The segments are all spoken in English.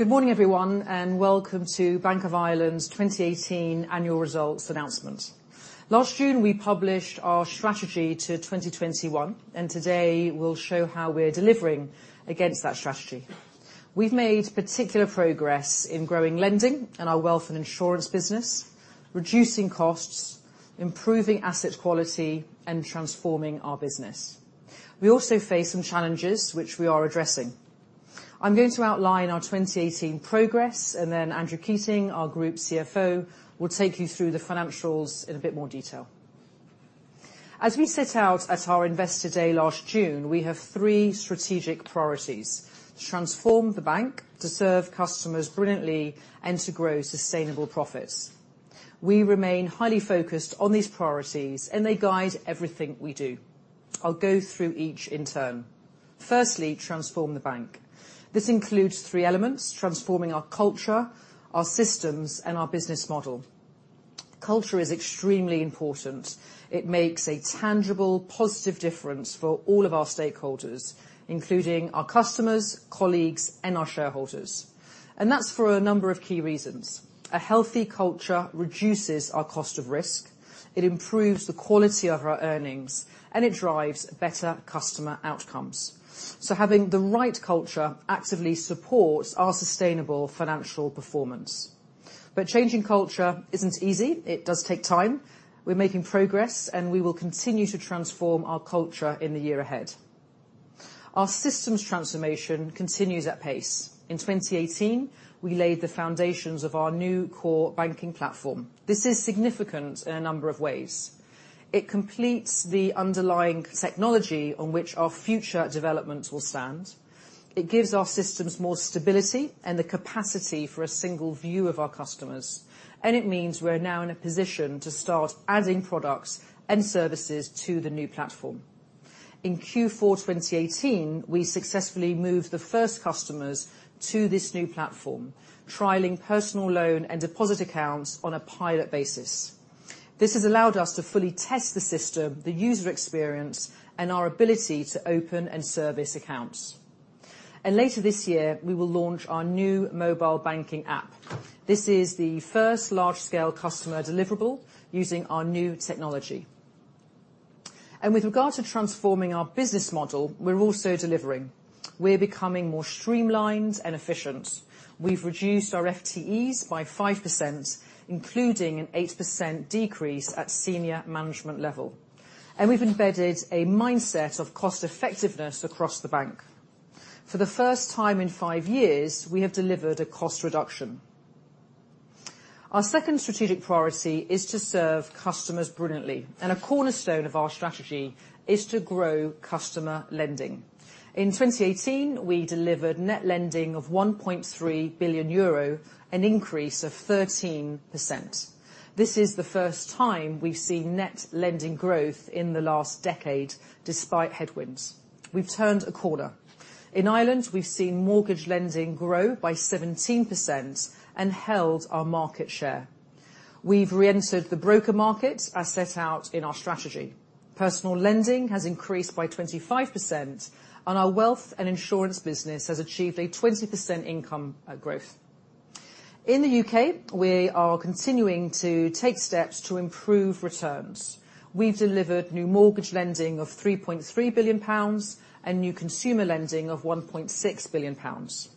Good morning, everyone, and welcome to Bank of Ireland's 2018 annual results announcement. Last June, we published our strategy to 2021. Today we'll show how we're delivering against that strategy. We've made particular progress in growing lending in our wealth and insurance business, reducing costs, improving asset quality, and transforming our business. We also face some challenges which we are addressing. I'm going to outline our 2018 progress. Then Andrew Keating, our Group CFO, will take you through the financials in a bit more detail. As we set out at our Investor Day last June, we have three strategic priorities: to transform the bank, to serve customers brilliantly, and to grow sustainable profits. We remain highly focused on these priorities, and they guide everything we do. I'll go through each in turn. Firstly, transform the bank. This includes three elements: transforming our culture, our systems, and our business model. Culture is extremely important. It makes a tangible, positive difference for all of our stakeholders, including our customers, colleagues, and our shareholders. That's for a number of key reasons. A healthy culture reduces our cost of risk, it improves the quality of our earnings, and it drives better customer outcomes. Having the right culture actively supports our sustainable financial performance. Changing culture isn't easy. It does take time. We're making progress, and we will continue to transform our culture in the year ahead. Our systems transformation continues at pace. In 2018, we laid the foundations of our new core banking platform. This is significant in a number of ways. It completes the underlying technology on which our future developments will stand. It gives our systems more stability and the capacity for a single view of our customers. It means we're now in a position to start adding products and services to the new platform. In Q4 2018, we successfully moved the first customers to this new platform, trialing personal loan and deposit accounts on a pilot basis. This has allowed us to fully test the system, the user experience, and our ability to open and service accounts. Later this year, we will launch our new mobile banking app. This is the first large-scale customer deliverable using our new technology. With regard to transforming our business model, we're also delivering. We're becoming more streamlined and efficient. We've reduced our FTEs by 5%, including an 8% decrease at senior management level. We've embedded a mindset of cost effectiveness across the bank. For the first time in five years, we have delivered a cost reduction. Our second strategic priority is to serve customers brilliantly. A cornerstone of our strategy is to grow customer lending. In 2018, we delivered net lending of 1.3 billion euro, an increase of 13%. This is the first time we've seen net lending growth in the last decade despite headwinds. We've turned a corner. In Ireland, we've seen mortgage lending grow by 17% and held our market share. We've reentered the broker market, as set out in our strategy. Personal lending has increased by 25%, and our wealth and insurance business has achieved a 20% income growth. In the U.K., we are continuing to take steps to improve returns. We've delivered new mortgage lending of 3.3 billion pounds and new consumer lending of 1.6 billion pounds.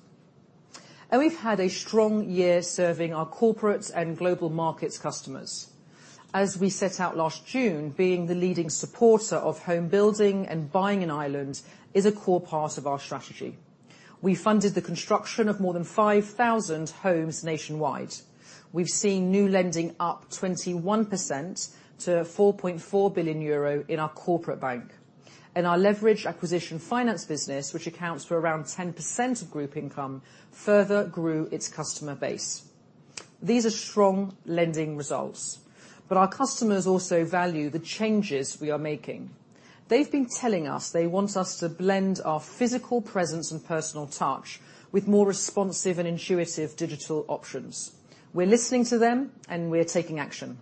We've had a strong year serving our corporate and global markets customers. As we set out last June, being the leading supporter of home building and buying in Ireland is a core part of our strategy. We funded the construction of more than 5,000 homes nationwide. We've seen new lending up 21% to 4.4 billion euro in our corporate bank. Our leveraged acquisition finance business, which accounts for around 10% of group income, further grew its customer base. These are strong lending results, but our customers also value the changes we are making. They've been telling us they want us to blend our physical presence and personal touch with more responsive and intuitive digital options. We're listening to them and we're taking action.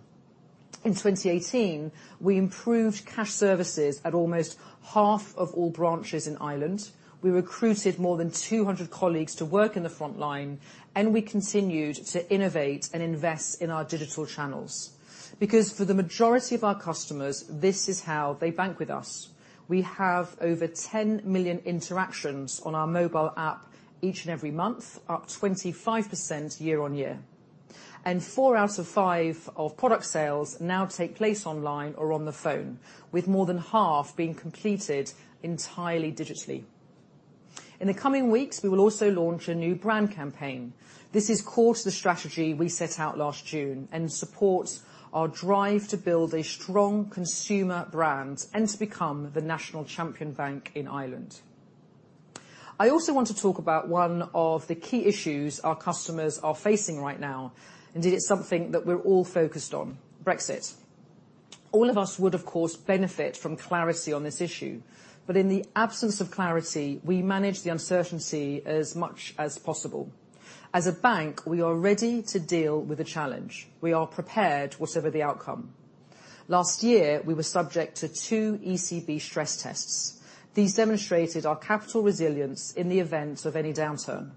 In 2018, we improved cash services at almost half of all branches in Ireland. We recruited more than 200 colleagues to work in the frontline, and we continued to innovate and invest in our digital channels. For the majority of our customers, this is how they bank with us. We have over 10 million interactions on our mobile app each and every month, up 25% year-on-year. Four out of five of product sales now take place online or on the phone, with more than half being completed entirely digitally. In the coming weeks, we will also launch a new brand campaign. This is core to the strategy we set out last June and supports our drive to build a strong consumer brand and to become the national champion bank in Ireland. I also want to talk about one of the key issues our customers are facing right now. Indeed, it's something that we're all focused on, Brexit. All of us would, of course, benefit from clarity on this issue. In the absence of clarity, we manage the uncertainty as much as possible. As a bank, we are ready to deal with the challenge. We are prepared, whatever the outcome. Last year, we were subject to two ECB stress tests. These demonstrated our capital resilience in the event of any downturn.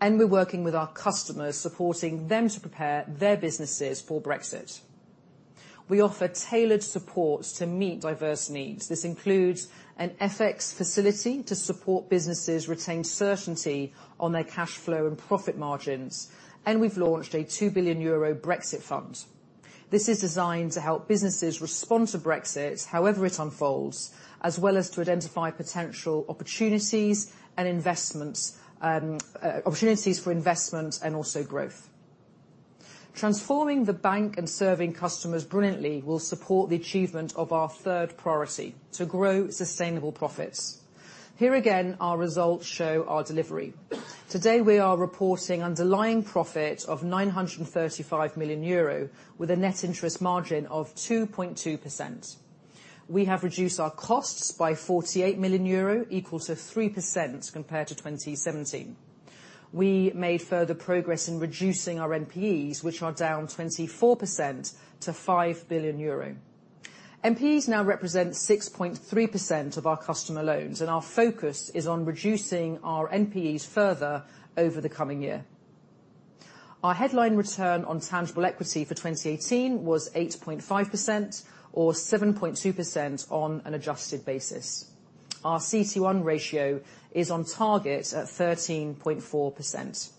We're working with our customers, supporting them to prepare their businesses for Brexit. We offer tailored support to meet diverse needs. This includes an FX facility to support businesses retain certainty on their cash flow and profit margins, and we've launched a 2 billion euro Brexit fund. This is designed to help businesses respond to Brexit however it unfolds, as well as to identify potential opportunities for investment and also growth. Transforming the bank and serving customers brilliantly will support the achievement of our third priority, to grow sustainable profits. Here again, our results show our delivery. Today, we are reporting underlying profit of 935 million euro with a net interest margin of 2.2%. We have reduced our costs by 48 million euro, equal to 3% compared to 2017. We made further progress in reducing our NPEs, which are down 24% to 5 billion euro. NPEs now represent 6.3% of our customer loans, and our focus is on reducing our NPEs further over the coming year. Our headline return on tangible equity for 2018 was 8.5%, or 7.2% on an adjusted basis. Our CET1 ratio is on target at 13.4%.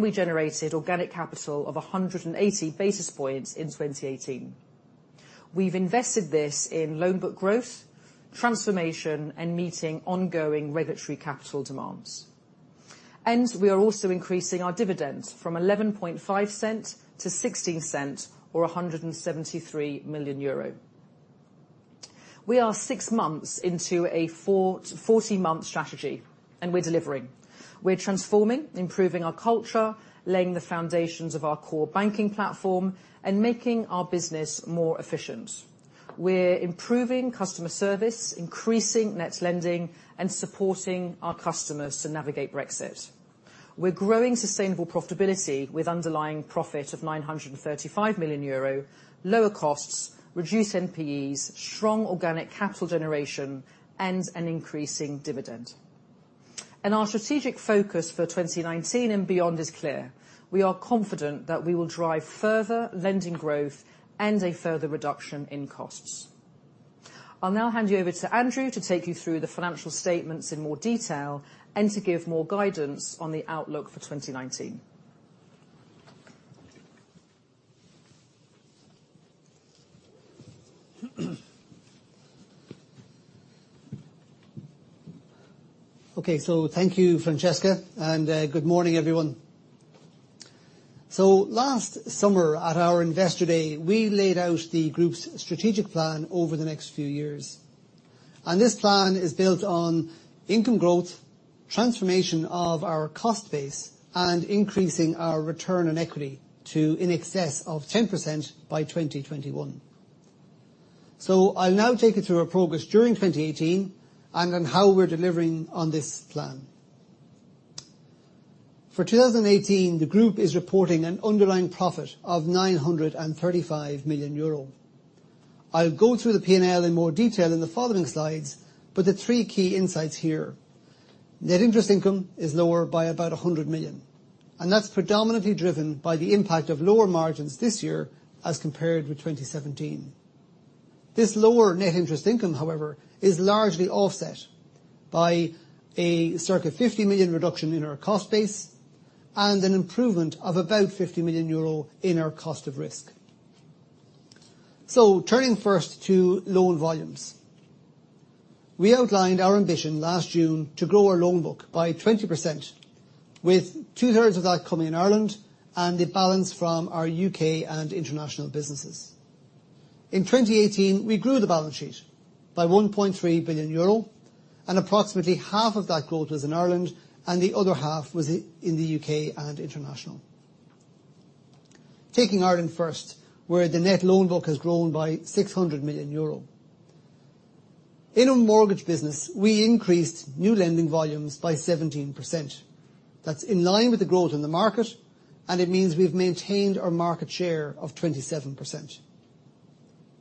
We generated organic capital of 180 basis points in 2018. We've invested this in loan book growth, transformation, and meeting ongoing regulatory capital demands. We are also increasing our dividend from 0.115 to 0.16, or 173 million euro. We are six months into a 40-month strategy, and we're delivering. We're transforming, improving our culture, laying the foundations of our core banking platform, and making our business more efficient. We're improving customer service, increasing net lending, and supporting our customers to navigate Brexit. We're growing sustainable profitability with underlying profit of 935 million euro, lower costs, reduced NPEs, strong organic capital generation, and an increasing dividend. Our strategic focus for 2019 and beyond is clear. We are confident that we will drive further lending growth and a further reduction in costs. I'll now hand you over to Andrew to take you through the financial statements in more detail and to give more guidance on the outlook for 2019. Okay. Thank you, Francesca, and good morning, everyone. Last summer at our Investor Day, we laid out the group's strategic plan over the next few years, and this plan is built on income growth, transformation of our cost base, and increasing our return on equity to in excess of 10% by 2021. I'll now take you through our progress during 2018, and then how we're delivering on this plan. For 2018, the group is reporting an underlying profit of 935 million euro. I'll go through the P&L in more detail in the following slides, but the three key insights here. Net interest income is lower by about 100 million, and that's predominantly driven by the impact of lower margins this year as compared with 2017. This lower net interest income, however, is largely offset by a circa 50 million reduction in our cost base and an improvement of about 50 million euro in our cost of risk. Turning first to loan volumes. We outlined our ambition last June to grow our loan book by 20%, with two thirds of that coming in Ireland and the balance from our U.K. and international businesses. In 2018, we grew the balance sheet by 1.3 billion euro, and approximately half of that growth was in Ireland and the other half was in the U.K. and international. Taking Ireland first, where the net loan book has grown by 600 million euro. In our mortgage business, we increased new lending volumes by 17%. That's in line with the growth in the market, and it means we've maintained our market share of 27%.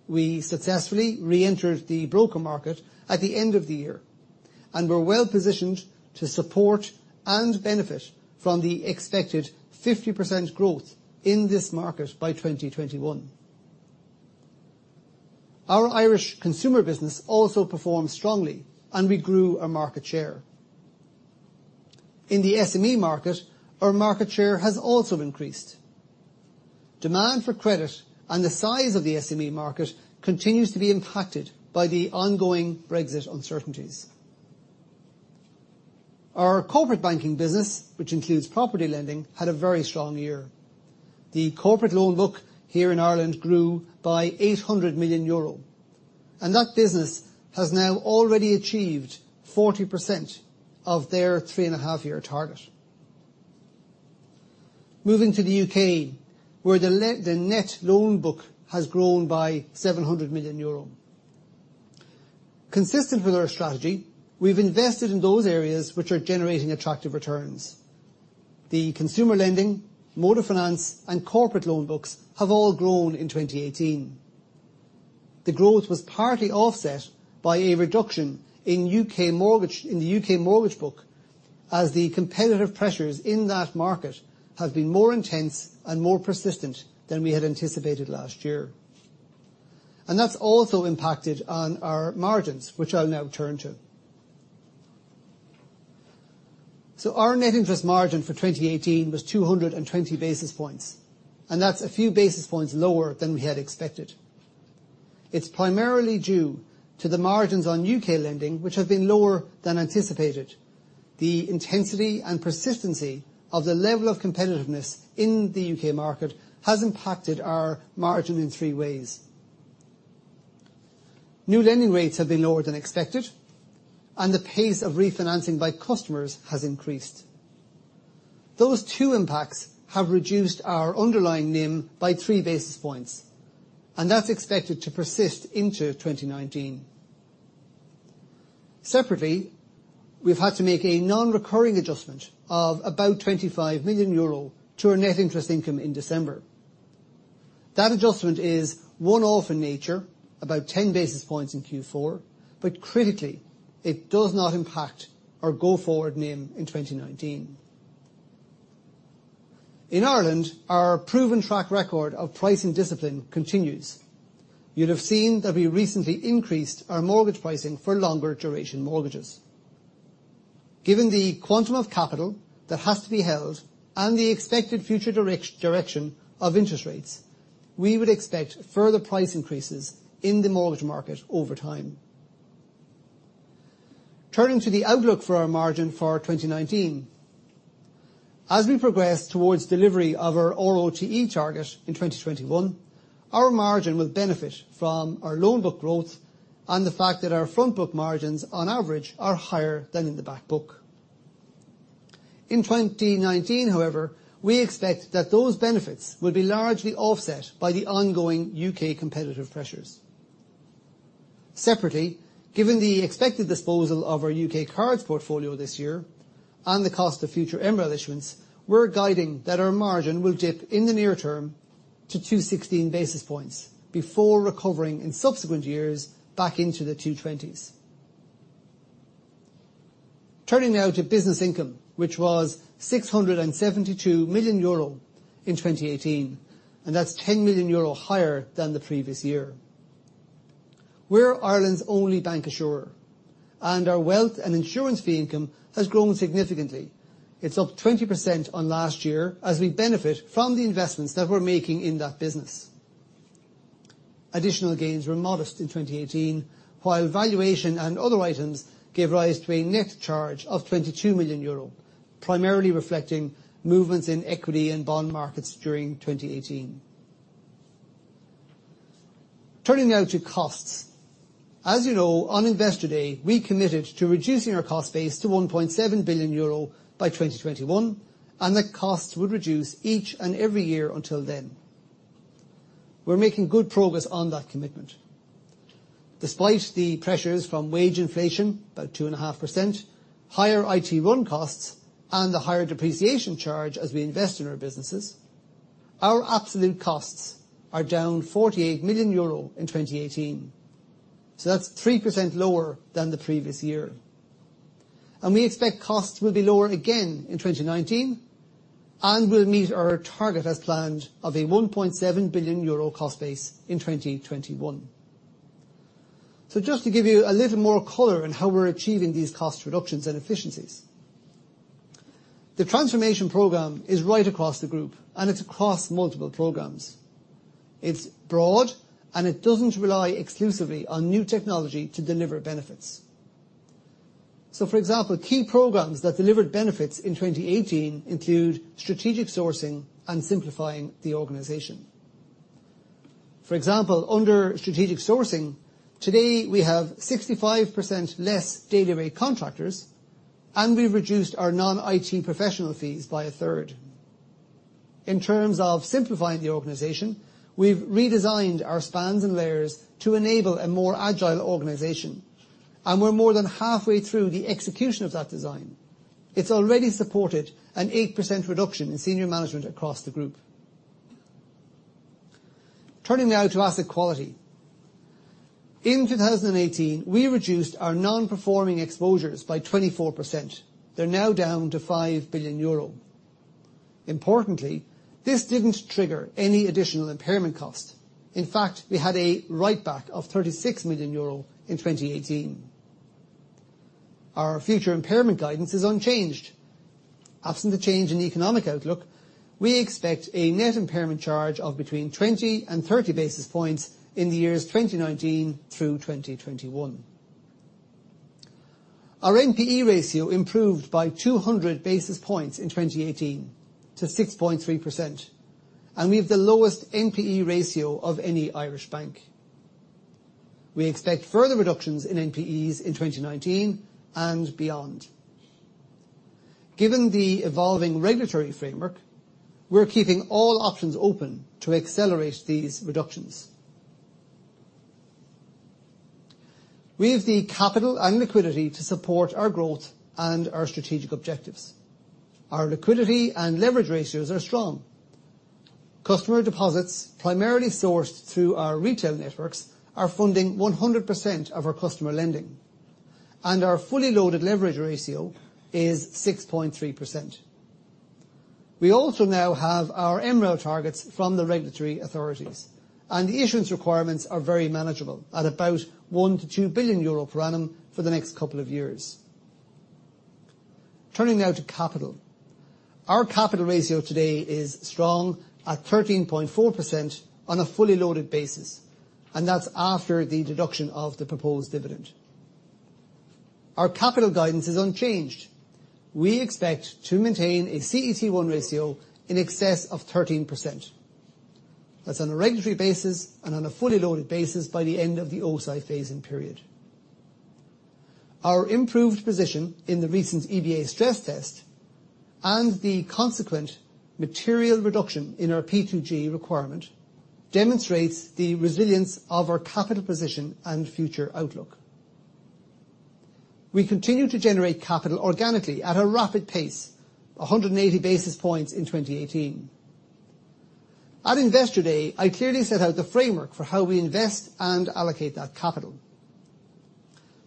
We successfully reentered the broker market at the end of the year, and we're well-positioned to support and benefit from the expected 50% growth in this market by 2021. Our Irish consumer business also performed strongly, and we grew our market share. In the SME market, our market share has also increased. Demand for credit and the size of the SME market continues to be impacted by the ongoing Brexit uncertainties. Our corporate banking business, which includes property lending, had a very strong year. The corporate loan book here in Ireland grew by 800 million euro, and that business has now already achieved 40% of their three and a half year target. Moving to the U.K., where the net loan book has grown by 700 million euro. Consistent with our strategy, we've invested in those areas which are generating attractive returns. The consumer lending, motor finance, and corporate loan books have all grown in 2018. The growth was partly offset by a reduction in the U.K. mortgage book, as the competitive pressures in that market have been more intense and more persistent than we had anticipated last year. That's also impacted on our margins, which I'll now turn to. Our net interest margin for 2018 was 220 basis points, and that's a few basis points lower than we had expected. It's primarily due to the margins on U.K. lending, which have been lower than anticipated. The intensity and persistency of the level of competitiveness in the U.K. market has impacted our margin in three ways. New lending rates have been lower than expected, and the pace of refinancing by customers has increased. Those two impacts have reduced our underlying NIM by three basis points, and that's expected to persist into 2019. Separately, we've had to make a non-recurring adjustment of about 25 million euro to our net interest income in December. That adjustment is one-off in nature, about 10 basis points in Q4, but critically, it does not impact our go-forward NIM in 2019. In Ireland, our proven track record of pricing discipline continues. You'll have seen that we recently increased our mortgage pricing for longer duration mortgages. Given the quantum of capital that has to be held and the expected future direction of interest rates, we would expect further price increases in the mortgage market over time. Turning to the outlook for our margin for 2019. As we progress towards delivery of our ROTE target in 2021, our margin will benefit from our loan book growth and the fact that our front book margins, on average, are higher than in the back book. In 2019, however, we expect that those benefits will be largely offset by the ongoing U.K. competitive pressures. Separately, given the expected disposal of our U.K. cards portfolio this year, and the cost of future Emerald issuance, we're guiding that our margin will dip in the near term to 216 basis points before recovering in subsequent years back into the 220s. Turning now to business income, which was 672 million euro in 2018. That's 10 million euro higher than the previous year. We're Ireland's only bank insurer, and our wealth and insurance fee income has grown significantly. It's up 20% on last year as we benefit from the investments that we're making in that business. Additional gains were modest in 2018, while valuation and other items gave rise to a net charge of EUR 22 million, primarily reflecting movements in equity and bond markets during 2018. Turning now to costs. As you know, on Investor Day, we committed to reducing our cost base to 1.7 billion euro by 2021. That costs would reduce each and every year until then. We're making good progress on that commitment. Despite the pressures from wage inflation, about 2.5%, higher IT run costs, and the higher depreciation charge as we invest in our businesses, our absolute costs are down 48 million euro in 2018. That's 3% lower than the previous year. We expect costs will be lower again in 2019, we'll meet our target as planned of a €1.7 billion cost base in 2021. Just to give you a little more color on how we're achieving these cost reductions and efficiencies. The transformation program is right across the group, it's across multiple programs. It's broad, it doesn't rely exclusively on new technology to deliver benefits. For example, key programs that delivered benefits in 2018 include strategic sourcing and simplifying the organization. For example, under strategic sourcing, today we have 65% less daily rate contractors, we've reduced our non-IT professional fees by a third. In terms of simplifying the organization, we've redesigned our spans and layers to enable a more agile organization, we're more than halfway through the execution of that design. It's already supported an 8% reduction in senior management across the group. Turning now to asset quality. In 2018, we reduced our non-performing exposures by 24%. They're now down to €5 billion. Importantly, this didn't trigger any additional impairment cost. In fact, we had a write-back of €36 million in 2018. Our future impairment guidance is unchanged. Absent the change in the economic outlook, we expect a net impairment charge of between 20 and 30 basis points in the years 2019 through 2021. Our NPE ratio improved by 200 basis points in 2018 to 6.3%. We have the lowest NPE ratio of any Irish bank. We expect further reductions in NPEs in 2019 and beyond. Given the evolving regulatory framework, we're keeping all options open to accelerate these reductions. We have the capital and liquidity to support our growth and our strategic objectives. Our liquidity and leverage ratios are strong. Customer deposits, primarily sourced through our retail networks, are funding 100% of our customer lending. Our fully loaded leverage ratio is 6.3%. We also now have our MREL targets from the regulatory authorities, the issuance requirements are very manageable at about one to two billion EUR per annum for the next couple of years. Turning now to capital. Our capital ratio today is strong at 13.4% on a fully loaded basis, that's after the deduction of the proposed dividend. Our capital guidance is unchanged. We expect to maintain a CET1 ratio in excess of 13%. That's on a regulatory basis and on a fully loaded basis by the end of the O-SII phase-in period. Our improved position in the recent EBA stress test and the consequent material reduction in our P2G requirement demonstrates the resilience of our capital position and future outlook. We continue to generate capital organically at a rapid pace, 180 basis points in 2018. At Investor Day, I clearly set out the framework for how we invest and allocate that capital.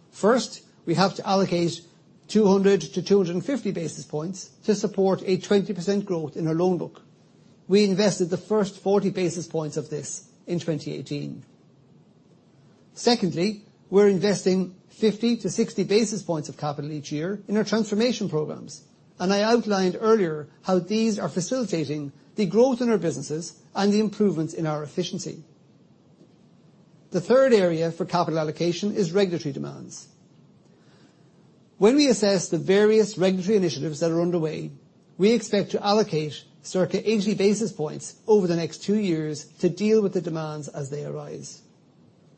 First, we have to allocate 200 to 250 basis points to support a 20% growth in our loan book. We invested the first 40 basis points of this in 2018. Secondly, we're investing 50 to 60 basis points of capital each year in our transformation programs, I outlined earlier how these are facilitating the growth in our businesses and the improvements in our efficiency. The third area for capital allocation is regulatory demands. When we assess the various regulatory initiatives that are underway, we expect to allocate circa 80 basis points over the next two years to deal with the demands as they arise.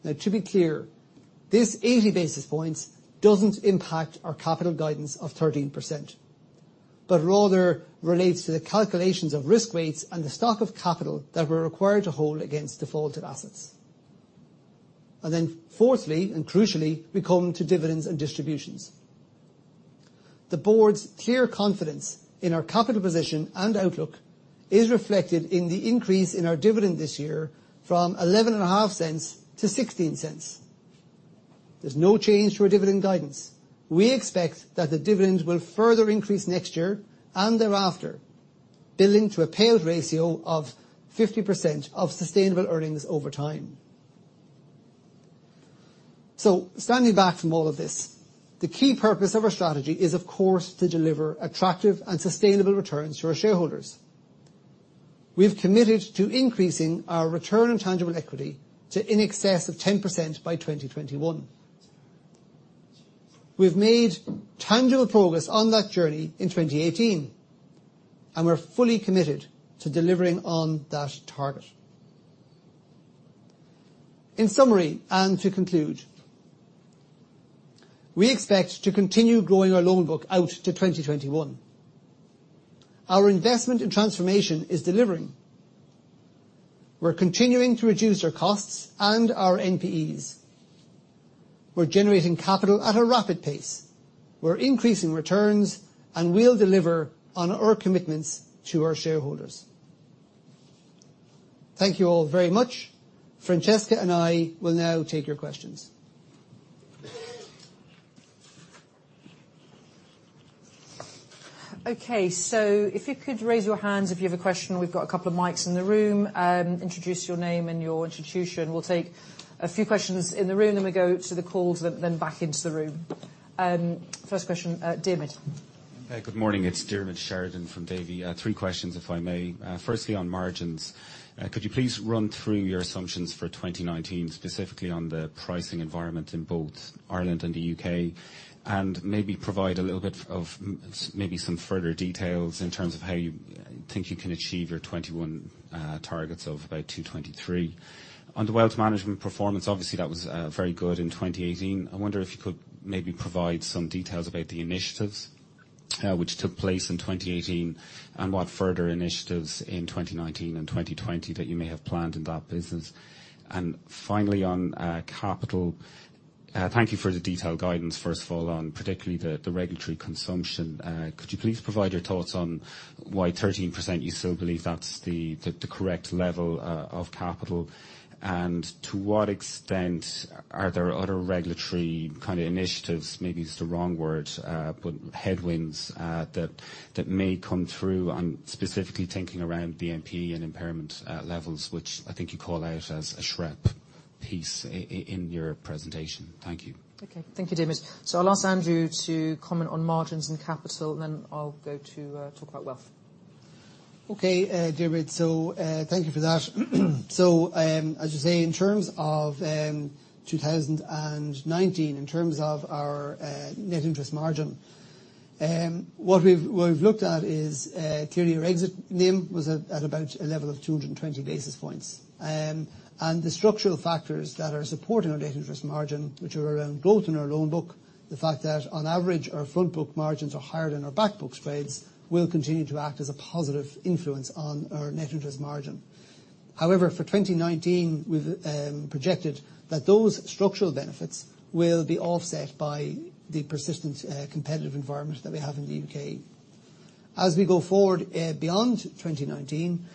To be clear, this 80 basis points doesn't impact our capital guidance of 13%, but rather relates to the calculations of risk weights and the stock of capital that we're required to hold against defaulted assets. Fourthly, and crucially, we come to dividends and distributions. The board's clear confidence in our capital position and outlook is reflected in the increase in our dividend this year from 0.115 to 0.16. There's no change to our dividend guidance. We expect that the dividend will further increase next year and thereafter, building to a payout ratio of 50% of sustainable earnings over time. Standing back from all of this, the key purpose of our strategy is, of course, to deliver attractive and sustainable returns to our shareholders. We've committed to increasing our return on tangible equity to in excess of 10% by 2021. We've made tangible progress on that journey in 2018, and we're fully committed to delivering on that target. In summary, and to conclude, we expect to continue growing our loan book out to 2021. Our investment in transformation is delivering. We're continuing to reduce our costs and our NPEs. We're generating capital at a rapid pace. We're increasing returns, and we'll deliver on our commitments to our shareholders. Thank you all very much. Francesca and I will now take your questions. If you could raise your hands if you have a question. We've got a couple of mics in the room. Introduce your name and your institution. We'll take a few questions in the room, then we go to the calls, then back into the room. First question, Diarmuid. Good morning. It's Diarmuid Sheridan from Davy. Three questions, if I may. Firstly, on margins, could you please run through your assumptions for 2019, specifically on the pricing environment in both Ireland and the U.K., and maybe provide a little bit of maybe some further details in terms of how you think you can achieve your 2021 targets of about 2023. On the wealth management performance, obviously, that was very good in 2018. I wonder if you could maybe provide some details about the initiatives which took place in 2018 and what further initiatives in 2019 and 2020 that you may have planned in that business. Finally, on capital, thank you for the detailed guidance, first of all, on particularly the regulatory consumption. Could you please provide your thoughts on why 13%, you still believe that's the correct level of capital? To what extent are there other regulatory kind of initiatives, maybe it's the wrong word, but headwinds that may come through? I'm specifically thinking around BMP and impairment levels, which I think you call out as a SREP piece in your presentation. Thank you. Okay. Thank you, Diarmuid. I'll ask Andrew to comment on margins and capital. I'll go to talk about wealth. Okay, Diarmuid. Thank you for that. As you say, in terms of 2019, in terms of our net interest margin, what we've looked at is clearly your exit NIM was at about a level of 220 basis points. The structural factors that are supporting our net interest margin, which are around growth in our loan book, the fact that on average, our front book margins are higher than our back book spreads, will continue to act as a positive influence on our net interest margin. However, for 2019, we've projected that those structural benefits will be offset by the persistent competitive environment that we have in the U.K. As we go forward beyond 2019,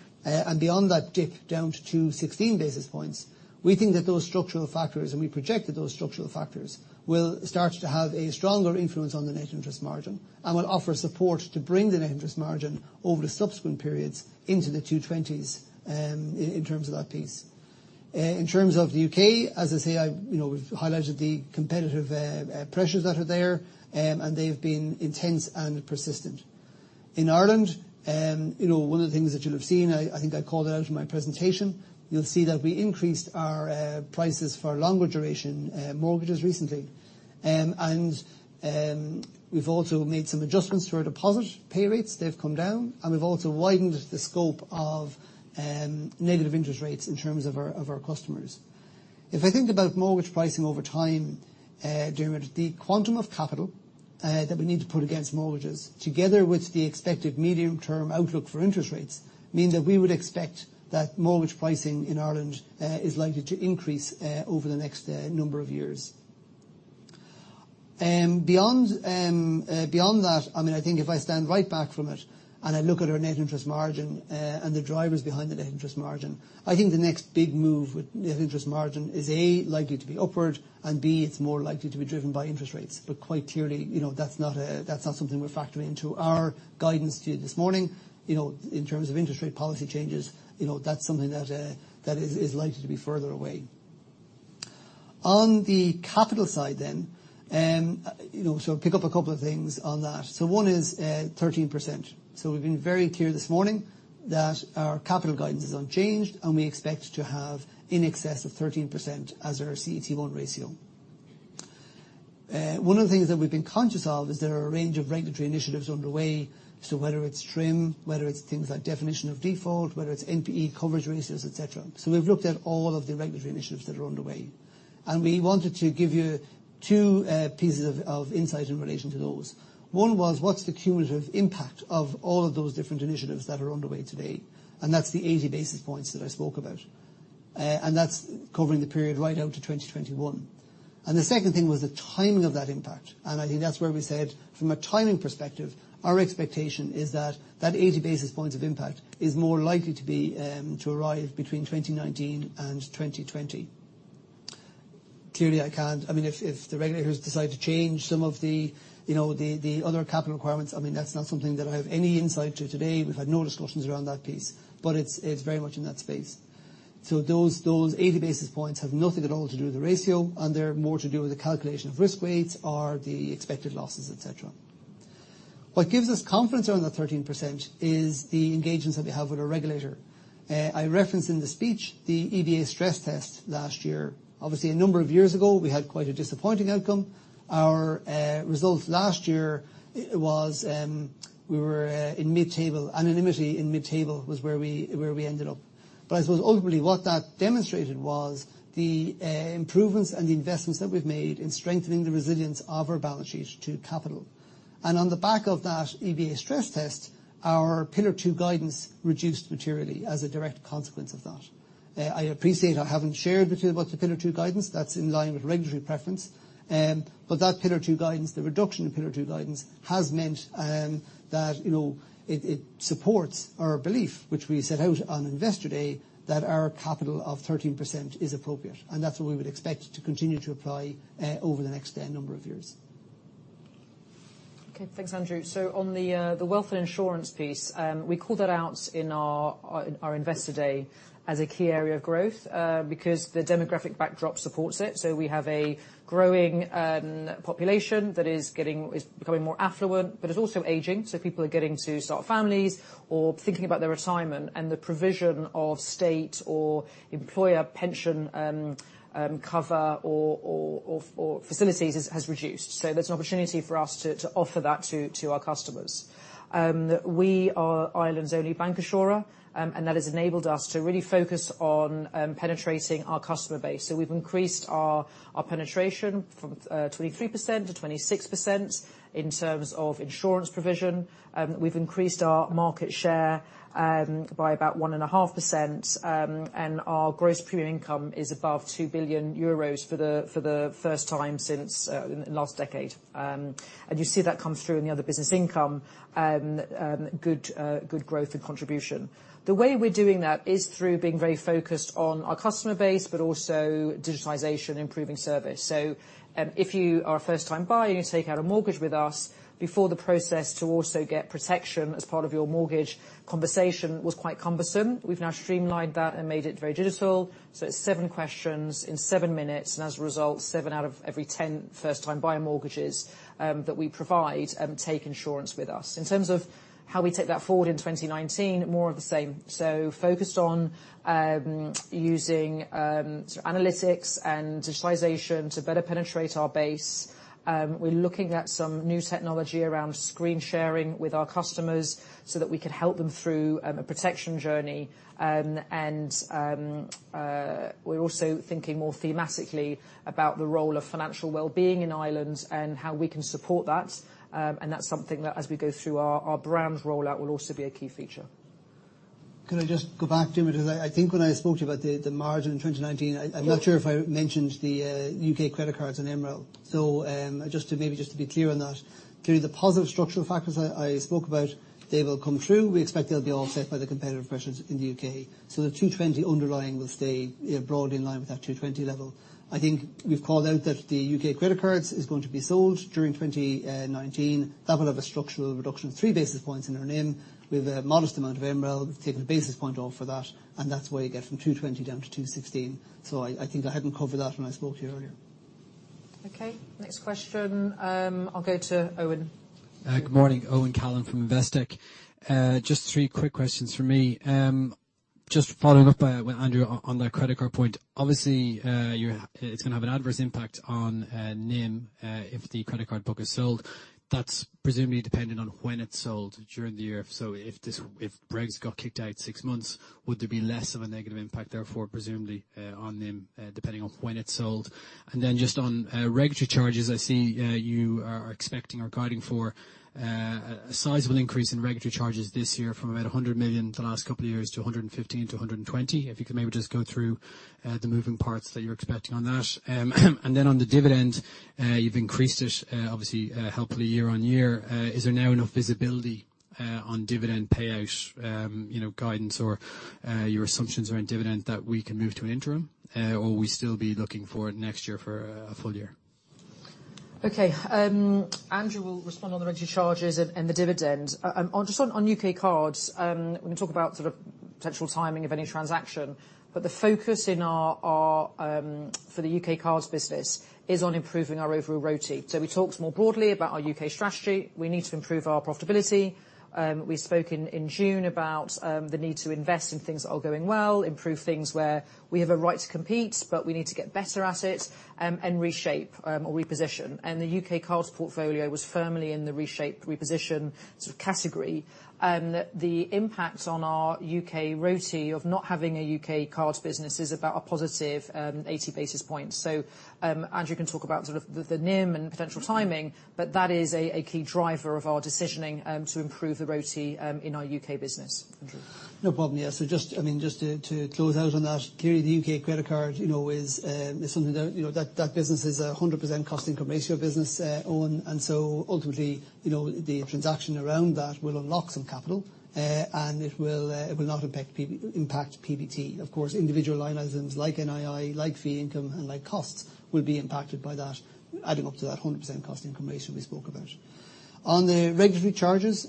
beyond that dip down to 16 basis points, we think that those structural factors, we project that those structural factors, will start to have a stronger influence on the net interest margin and will offer support to bring the net interest margin over the subsequent periods into the 220s in terms of that piece. In terms of the U.K., as I say, we've highlighted the competitive pressures that are there, they've been intense and persistent. In Ireland, one of the things that you'll have seen, I think I called it out in my presentation, you'll see that we increased our prices for longer duration mortgages recently. We've also made some adjustments to our deposit pay rates. They've come down. We've also widened the scope of negative interest rates in terms of our customers. If I think about mortgage pricing over time, Diarmuid, the quantum of capital that we need to put against mortgages, together with the expected medium-term outlook for interest rates, mean that we would expect that mortgage pricing in Ireland is likely to increase over the next number of years. Beyond that, I think if I stand right back from it and I look at our net interest margin and the drivers behind the net interest margin, I think the next big move with net interest margin is, A, likely to be upward, and B, it's more likely to be driven by interest rates. Quite clearly, that's not something we're factoring into our guidance to you this morning. In terms of interest rate policy changes, that's something that is likely to be further away. On the capital side then, I'll pick up a couple of things on that. One is 13%. We've been very clear this morning that our capital guidance is unchanged, and we expect to have in excess of 13% as our CET1 ratio. One of the things that we've been conscious of is there are a range of regulatory initiatives underway. Whether it's TRIM, whether it's things like definition of default, whether it's NPE coverage ratios, et cetera. We've looked at all of the regulatory initiatives that are underway, and we wanted to give you two pieces of insight in relation to those. One was, what's the cumulative impact of all of those different initiatives that are underway today? That's the 80 basis points that I spoke about. That's covering the period right out to 2021. The second thing was the timing of that impact. I think that's where we said, from a timing perspective, our expectation is that that 80 basis points of impact is more likely to arrive between 2019 and 2020. Clearly, if the regulators decide to change some of the other capital requirements, that's not something that I have any insight to today. We've had no discussions around that piece. It's very much in that space. Those 80 basis points have nothing at all to do with the ratio, and they're more to do with the calculation of risk weights or the expected losses, et cetera. What gives us confidence around that 13% is the engagements that we have with our regulator. I referenced in the speech the EBA stress test last year. Obviously, a number of years ago, we had quite a disappointing outcome. Our result last year, we were anonymity in mid-table was where we ended up. I suppose ultimately what that demonstrated was the improvements and the investments that we've made in strengthening the resilience of our balance sheet to capital. On the back of that EBA stress test, our Pillar 2 guidance reduced materially as a direct consequence of that. I appreciate I haven't shared with you what the Pillar 2 guidance, that's in line with regulatory preference. That Pillar 2 guidance, the reduction in Pillar 2 guidance, has meant that it supports our belief, which we set out on Investor Day, that our capital of 13% is appropriate, and that's what we would expect to continue to apply over the next number of years. Okay. Thanks, Andrew. On the wealth and insurance piece, we called that out in our Investor Day as a key area of growth because the demographic backdrop supports it. We have a growing population that is becoming more affluent, but is also aging, so people are getting to start families or thinking about their retirement, and the provision of state or employer pension cover or facilities has reduced. There's an opportunity for us to offer that to our customers. We are Ireland's only bank insurer, and that has enabled us to really focus on penetrating our customer base. We've increased our penetration from 23% to 26% in terms of insurance provision. We've increased our market share by about 1.5%, and our gross premium income is above €2 billion for the first time since last decade. You see that come through in the other business income, good growth and contribution. The way we're doing that is through being very focused on our customer base, but also digitization, improving service. If you are a first-time buyer and you take out a mortgage with us, before the process to also get protection as part of your mortgage conversation was quite cumbersome. We've now streamlined that and made it very digital. It's seven questions in seven minutes, and as a result, seven out of every 10 first-time buyer mortgages that we provide take insurance with us. In terms of how we take that forward in 2019, more of the same. Focused on using analytics and digitization to better penetrate our base. We're looking at some new technology around screen sharing with our customers so that we can help them through a protection journey, and we're also thinking more thematically about the role of financial well-being in Ireland and how we can support that. That's something that, as we go through our brand rollout, will also be a key feature. Could I just go back, Jim, because I think when I spoke to you about the margin in 2019, I'm not sure if I mentioned the U.K. credit cards and Emerald. Maybe just to be clear on that. Clearly, the positive structural factors I spoke about, they will come through. We expect they'll be offset by the competitive pressures in the U.K. The 220 underlying will stay broadly in line with that 220 level. I think we've called out that the U.K. credit cards is going to be sold during 2019. That will have a structural reduction of three basis points in earn-in, with a modest amount of Emerald. We've taken a basis point off for that, and that's where you get from 220 down to 216. I think I hadn't covered that when I spoke to you earlier. Okay. Next question, I'll go to Owen. Good morning. Owen Callan from Investec. Just three quick questions from me. Just following up with Andrew on that credit card point, obviously, it's going to have an adverse impact on NIM if the credit card book is sold. That's presumably dependent on when it's sold during the year. If Brexit got kicked out six months, would there be less of a negative impact, therefore, presumably, on NIM, depending on when it's sold? Then just on regulatory charges, I see you are expecting or guiding for a sizable increase in regulatory charges this year from about 100 million the last couple of years to 115-120. If you could maybe just go through the moving parts that you're expecting on that. Then on the dividend, you've increased it, obviously helpfully year-on-year. Is there now enough visibility on dividend payout guidance or your assumptions around dividend that we can move to an interim? Are we still be looking for it next year for a full year? Okay. Andrew will respond on the regulatory charges and the dividend. Just on U.K. cards, we can talk about sort of potential timing of any transaction, but the focus for the U.K. cards business is on improving our overall ROTE. We talked more broadly about our U.K. strategy. We need to improve our profitability. We spoke in June about the need to invest in things that are going well, improve things where we have a right to compete, but we need to get better at it, and reshape or reposition. The U.K. cards portfolio was firmly in the reshape, reposition sort of category. The impact on our U.K. ROTE of not having a U.K. card business is about a positive 80 basis points. Andrew can talk about the NIM and potential timing, but that is a key driver of our decisioning to improve the ROTE in our U.K. business. Andrew. No problem. Yeah. Just to close out on that, clearly the U.K. credit card, that business is a 100% cost-to-income ratio business, Owen. Ultimately the transaction around that will unlock some capital, and it will not impact PBT. Of course, individual line items like NII, like fee income, and like costs will be impacted by that, adding up to that 100% cost-to-income ratio we spoke about. On the regulatory charges,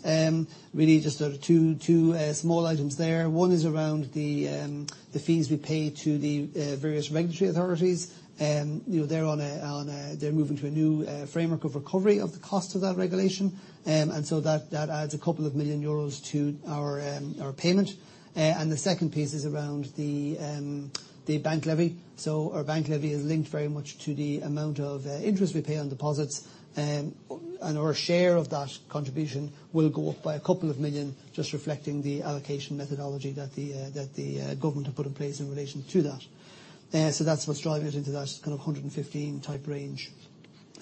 really just two small items there. One is around the fees we pay to the various regulatory authorities. They're moving to a new framework of recovery of the cost of that regulation. That adds a couple of million EUR to our payment. The second piece is around the bank levy. Our bank levy is linked very much to the amount of interest we pay on deposits, and our share of that contribution will go up by a couple of million EUR, just reflecting the allocation methodology that the government have put in place in relation to that. That's what's driving it into that kind of 115 type range.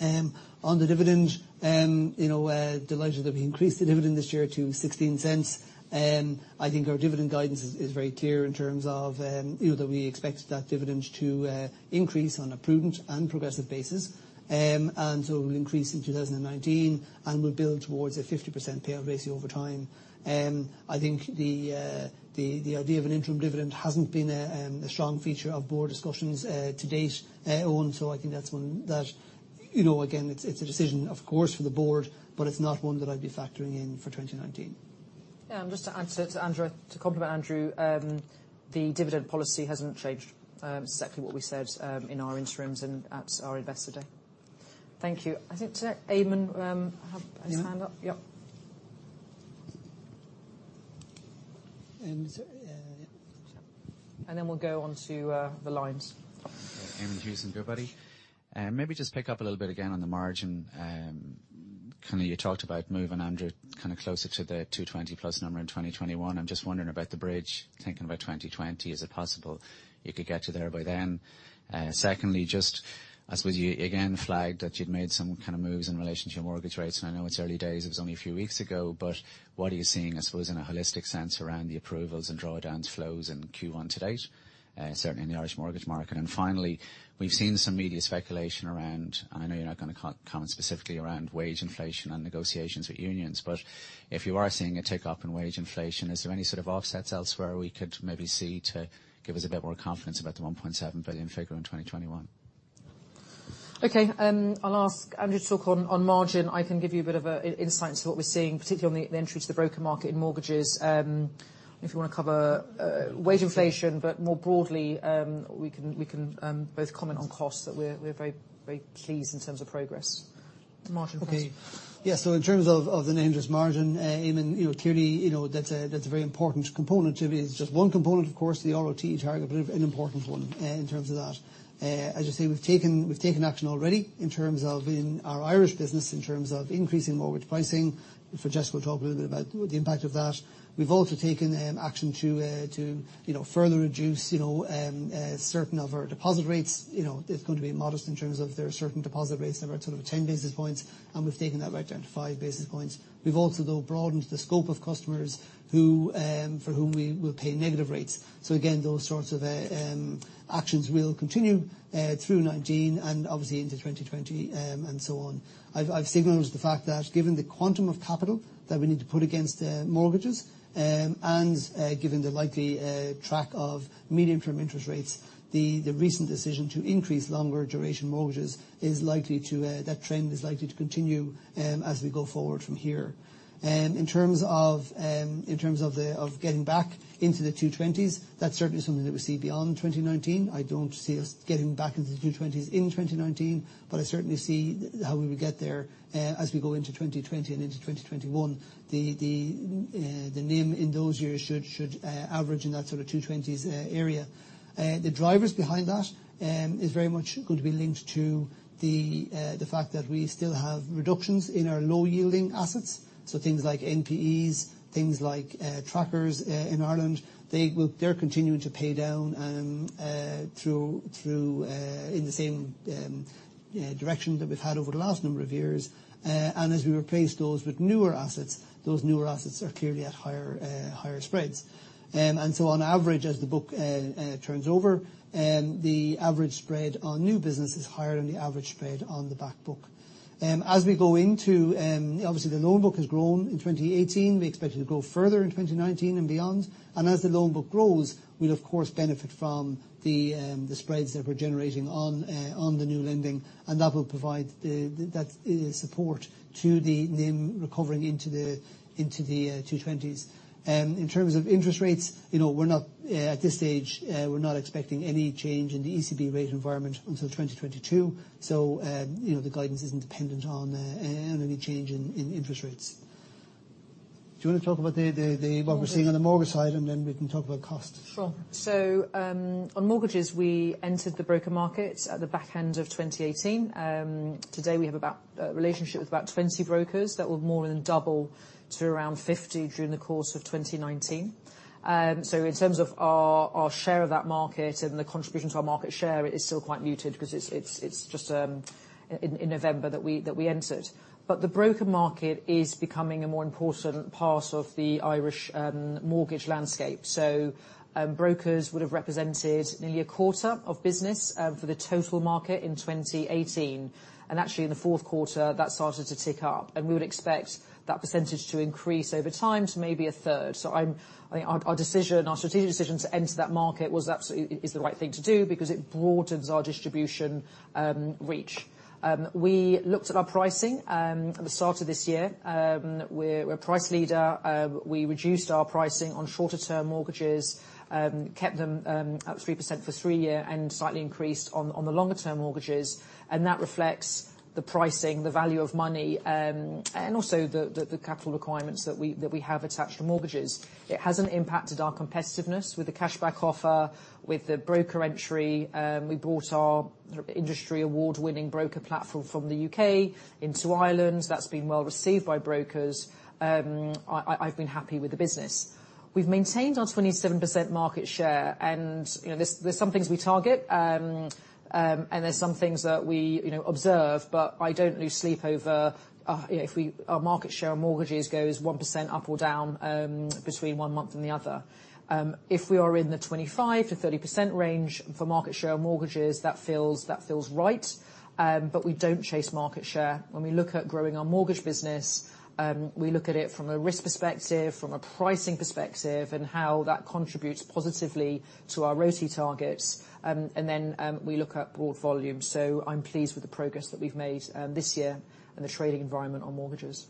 On the dividend, delighted that we increased the dividend this year to 0.16. I think our dividend guidance is very clear in terms of that we expect that dividend to increase on a prudent and progressive basis. We'll increase in 2019, and we'll build towards a 50% payout ratio over time. I think the idea of an interim dividend hasn't been a strong feature of board discussions to date, Owen. I think that, again, it's a decision, of course, for the board, but it's not one that I'd be factoring in for 2019. Yeah, just to add to Andrew, to complement Andrew, the dividend policy hasn't changed. Exactly what we said in our interims and at our Investor Day. Thank you. I think to Eamonn had his hand up. Yep. Then we'll go on to the lines. Eamonn Hughes from Goodbody. Maybe just pick up a little bit again on the margin. Kind of you talked about moving Andrew kind of closer to the 220 plus number in 2021. I'm just wondering about the bridge, thinking about 2020. Is it possible you could get to there by then? Secondly, just I suppose you again flagged that you'd made some kind of moves in relation to your mortgage rates, and I know it's early days, it was only a few weeks ago, but what are you seeing, I suppose, in a holistic sense around the approvals and drawdowns flows in Q1 to date, certainly in the Irish mortgage market. Finally, we've seen some media speculation around, I know you're not going to comment specifically around wage inflation and negotiations with unions, but if you are seeing a tick up in wage inflation, is there any sort of offsets elsewhere we could maybe see to give us a bit more confidence about the 1.7 billion figure in 2021? Okay. I'll ask Andrew to talk on margin. I can give you a bit of an insight into what we're seeing, particularly on the entry to the broker market in mortgages. If you want to cover wage inflation, more broadly, we can both comment on costs that we're very pleased in terms of progress. The margin question. Okay. Yeah, in terms of the net interest margin, Eamonn, clearly, that's a very important component to it. It's just one component, of course, the ROT target, but an important one in terms of that. As I say, we've taken action already in terms of in our Irish business, in terms of increasing mortgage pricing. If Francesca will talk a little bit about the impact of that. We've also taken action to further reduce certain of our deposit rates. It's going to be modest in terms of there are certain deposit rates that were sort of at 10 basis points, and we've taken that right down to five basis points. We've also, though, broadened the scope of customers for whom we will pay negative rates. Again, those sorts of actions will continue through 2019 and obviously into 2020, and so on. I've signaled the fact that given the quantum of capital that we need to put against the mortgages, and given the likely track of medium-term interest rates, the recent decision to increase longer duration mortgages, that trend is likely to continue as we go forward from here. In terms of getting back into the 220s, that's certainly something that we see beyond 2019. I don't see us getting back into the 220s in 2019. I certainly see how we would get there as we go into 2020 and into 2021. The NIM in those years should average in that sort of 220s area. The drivers behind that is very much going to be linked to the fact that we still have reductions in our low-yielding assets. Things like NPEs, things like trackers in Ireland, they're continuing to pay down in the same direction that we've had over the last number of years. As we replace those with newer assets, those newer assets are clearly at higher spreads. On average, as the book turns over, the average spread on new business is higher than the average spread on the back book. Obviously, the loan book has grown in 2018. We expect it to grow further in 2019 and beyond. As the loan book grows, we'll of course benefit from the spreads that we're generating on the new lending, and that will provide that support to the NIM recovering into the 220s. In terms of interest rates, at this stage, we're not expecting any change in the ECB rate environment until 2022. The guidance isn't dependent on any change in interest rates. Do you want to talk about what we're seeing on the mortgage side, and then we can talk about cost. Sure. On mortgages, we entered the broker market at the back end of 2018. Today we have a relationship with about 20 brokers. That will more than double to around 50 during the course of 2019. In terms of our share of that market and the contribution to our market share, it is still quite muted because it is just in November that we entered. The broker market is becoming a more important part of the Irish mortgage landscape. Brokers would have represented nearly a quarter of business for the total market in 2018. Actually, in the Q4, that started to tick up, and we would expect that percentage to increase over time to maybe a third. Our strategic decision to enter that market is the right thing to do because it broadens our distribution reach. We looked at our pricing at the start of this year. We're a price leader. We reduced our pricing on shorter-term mortgages, kept them at 3% for three year, and slightly increased on the longer-term mortgages, and that reflects the pricing, the value of money, and also the capital requirements that we have attached to mortgages. It hasn't impacted our competitiveness with the cash-back offer, with the broker entry. We brought our industry award-winning broker platform from the U.K. into Ireland. That's been well received by brokers. I've been happy with the business. We've maintained our 27% market share, and there's some things we target, and there's some things that we observe, but I don't lose sleep over if our market share on mortgages goes 1% up or down between one month and the other. If we are in the 25%-30% range for market share on mortgages, that feels right, but we don't chase market share. When we look at growing our mortgage business, we look at it from a risk perspective, from a pricing perspective, and how that contributes positively to our ROTE targets, and then we look at broad volume. I'm pleased with the progress that we've made this year and the trading environment on mortgages.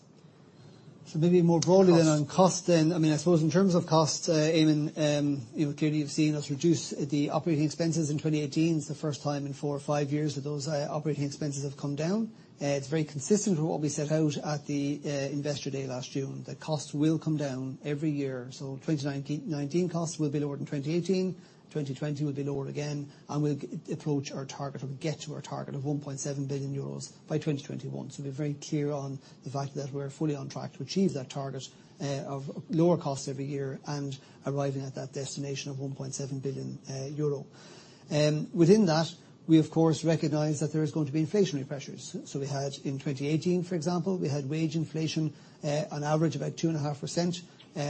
Maybe more broadly on cost, I suppose in terms of cost, Eamonn, clearly you've seen us reduce the operating expenses in 2018. It's the first time in four or five years that those operating expenses have come down. It's very consistent with what we set out at the Investor Day last June, that costs will come down every year. 2019 costs will be lower than 2018, 2020 will be lower again, and we'll approach our target or get to our target of 1.7 billion euros by 2021. We're very clear on the fact that we're fully on track to achieve that target of lower costs every year and arriving at that destination of 1.7 billion euro. Within that, we of course recognize that there is going to be inflationary pressures. We had in 2018, for example, we had wage inflation on average about 2.5%.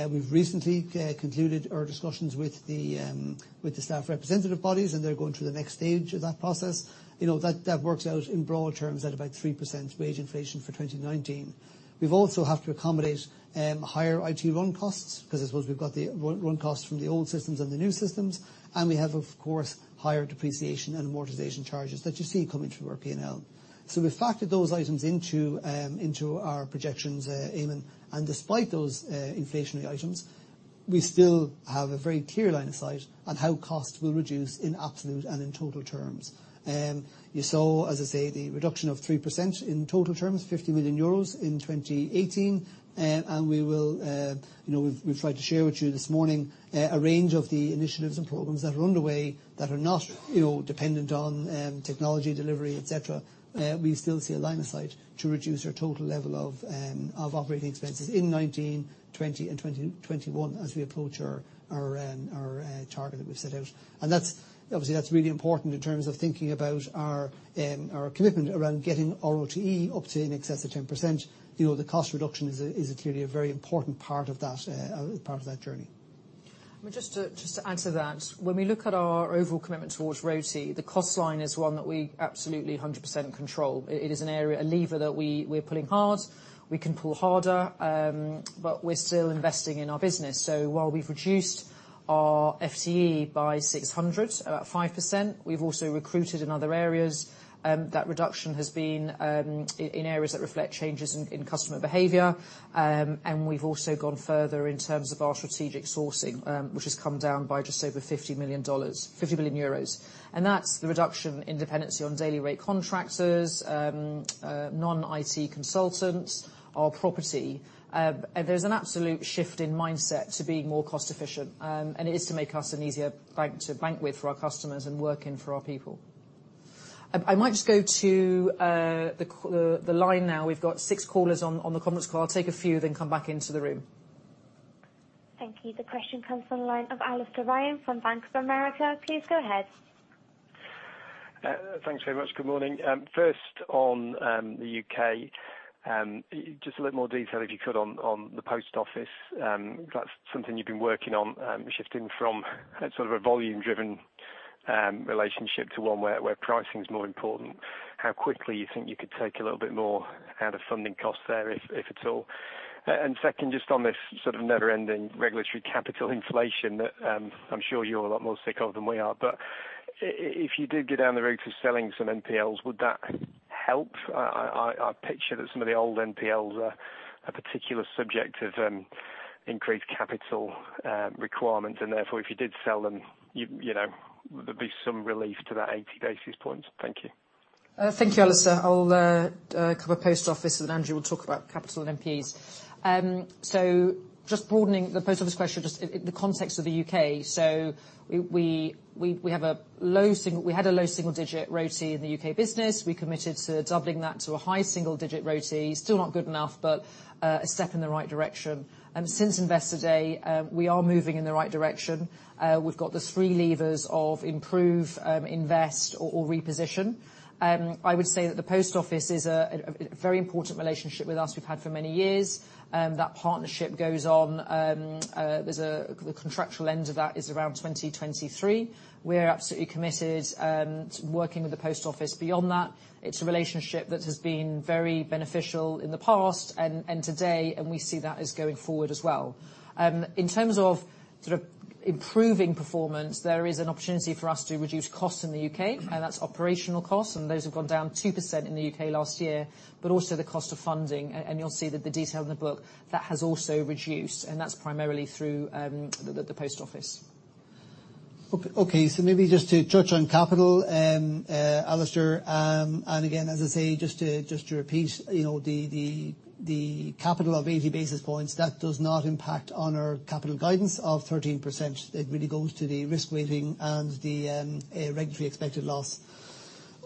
We've recently concluded our discussions with the staff representative bodies, and they're going through the next stage of that process. That works out in broad terms at about 3% wage inflation for 2019. We also have to accommodate higher IT run costs because I suppose we've got the run costs from the old systems and the new systems, and we have, of course, higher depreciation and amortization charges that you see coming through our P&L. We've factored those items into our projections, Eamonn, and despite those inflationary items, we still have a very clear line of sight on how costs will reduce in absolute and in total terms. You saw, as I say, the reduction of 3% in total terms, 50 million euros in 2018, and we've tried to share with you this morning a range of the initiatives and programs that are underway that are not dependent on technology delivery, et cetera. We still see a line of sight to reduce our total level of operating expenses in 2019, 2020, and 2021 as we approach our target that we've set out. Obviously, that's really important in terms of thinking about our commitment around getting ROTE up to in excess of 10%. The cost reduction is clearly a very important part of that journey. Just to add to that, when we look at our overall commitment towards ROTE, the cost line is one that we absolutely 100% control. It is an area, a lever that we are pulling hard. We can pull harder. We're still investing in our business. While we've reduced our FTE by 600, about 5%, we've also recruited in other areas. That reduction has been in areas that reflect changes in customer behavior. We've also gone further in terms of our strategic sourcing, which has come down by just over EUR 50 billion. That's the reduction in dependency on daily rate contractors, non-IT consultants, our property. There's an absolute shift in mindset to being more cost efficient, and it is to make us an easier bank to bank with for our customers and work in for our people. I might just go to the line now. We've got six callers on the conference call. I'll take a few, then come back into the room. Thank you. The question comes from the line of Alastair Ryan from Bank of America. Please go ahead. Thanks very much. Good morning. First on the U.K. Just a little more detail, if you could, on the Post Office. That's something you've been working on, shifting from sort of a volume driven relationship to one where pricing is more important. How quickly you think you could take a little bit more out of funding costs there, if at all? Second, just on this sort of never ending regulatory capital inflation that I'm sure you're a lot more sick of than we are. If you did go down the route of selling some NPEs, would that help? I picture that some of the old NPEs are a particular subject of increased capital requirements, and therefore, if you did sell them, there'd be some relief to that 80 basis points. Thank you. Thank you, Alastair. I'll cover Post Office, and Andrew will talk about capital and NPEs. Just broadening the Post Office question, just the context of the U.K. We had a low single digit ROTE in the U.K. business. We committed to doubling that to a high single digit ROTE. Still not good enough, but a step in the right direction. Since Investor Day, we are moving in the right direction. We've got the three levers of improve, invest, or reposition. I would say that the Post Office is a very important relationship with us we've had for many years. That partnership goes on. The contractual end of that is around 2023. We're absolutely committed to working with the Post Office beyond that. It's a relationship that has been very beneficial in the past and today, and we see that as going forward as well. In terms of sort of improving performance, there is an opportunity for us to reduce costs in the U.K., and that's operational costs, and those have gone down 2% in the U.K. last year, but also the cost of funding. You'll see that the detail in the book, that has also reduced, and that's primarily through the Post Office. Okay. Maybe just to touch on capital, Alastair, and again, as I say, just to repeat, the capital of 80 basis points, that does not impact on our capital guidance of 13%. It really goes to the risk weighting and the regulatory expected loss.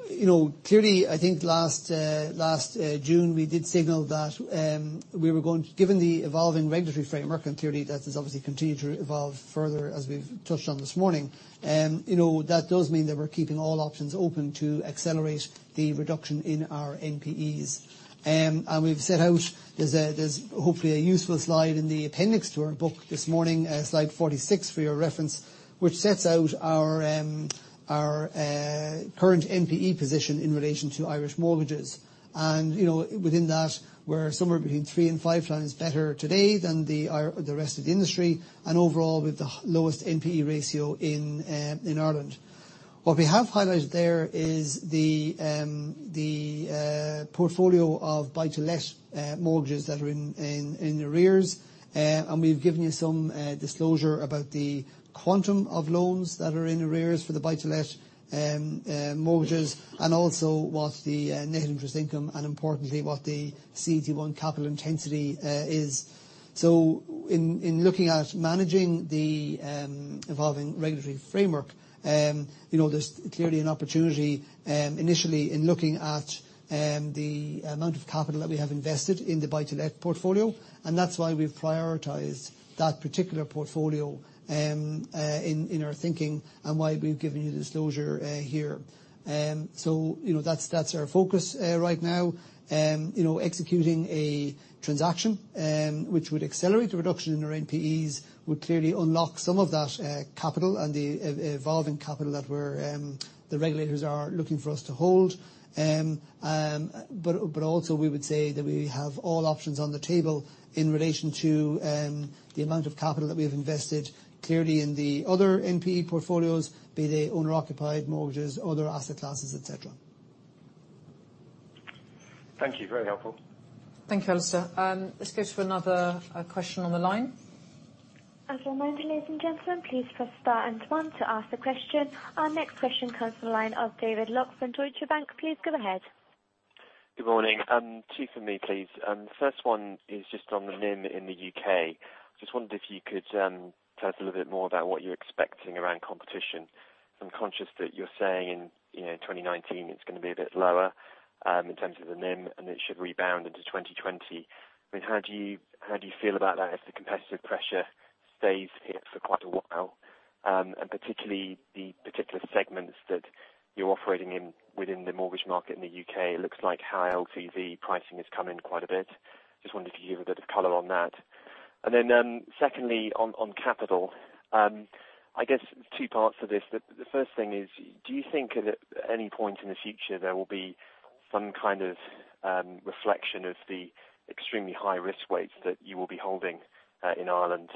Clearly, I think last June, we did signal that given the evolving regulatory framework, and clearly that has obviously continued to evolve further as we've touched on this morning, that does mean that we're keeping all options open to accelerate the reduction in our NPEs. We've set out, there's hopefully a useful slide in the appendix to our book this morning, slide 46 for your reference, which sets out our current NPE position in relation to Irish mortgages. Within that, we're somewhere between three and five times better today than the rest of the industry, and overall with the lowest NPE ratio in Ireland. What we have highlighted there is the portfolio of buy-to-let mortgages that are in arrears, and we've given you some disclosure about the quantum of loans that are in arrears for the buy-to-let mortgages, and also what the net interest income, and importantly, what the CET1 capital intensity is. In looking at managing the evolving regulatory framework, there's clearly an opportunity initially in looking at the amount of capital that we have invested in the buy-to-let portfolio, and that's why we've prioritized that particular portfolio in our thinking, and why we've given you the disclosure here. That's our focus right now. Executing a transaction which would accelerate the reduction in our NPEs would clearly unlock some of that capital and the evolving capital that the regulators are looking for us to hold. Also we would say that we have all options on the table in relation to the amount of capital that we have invested clearly in the other NPE portfolios, be they owner-occupied mortgages, other asset classes, et cetera. Thank you. Very helpful. Thank you, Alastair. Let's go to another question on the line. As reminded, ladies and gentlemen, please press star and one to ask the question. Our next question comes from the line of David Lock from Deutsche Bank. Please go ahead. Good morning. Two for me, please. The first one is just on the NIM in the U.K. Just wondered if you could tell us a little bit more about what you're expecting around competition. I'm conscious that you're saying in 2019 it's going to be a bit lower in terms of the NIM, and it should rebound into 2020. How do you feel about that if the competitive pressure stays here for quite a while? Particularly the particular segments that you're operating in within the mortgage market in the U.K. It looks like high LTV pricing has come in quite a bit. Just wondered if you could give a bit of color on that. Then secondly, on capital. I guess two parts to this. The first thing is, do you think at any point in the future there will be some kind of reflection of the extremely high risk weights that you will be holding, in Ireland,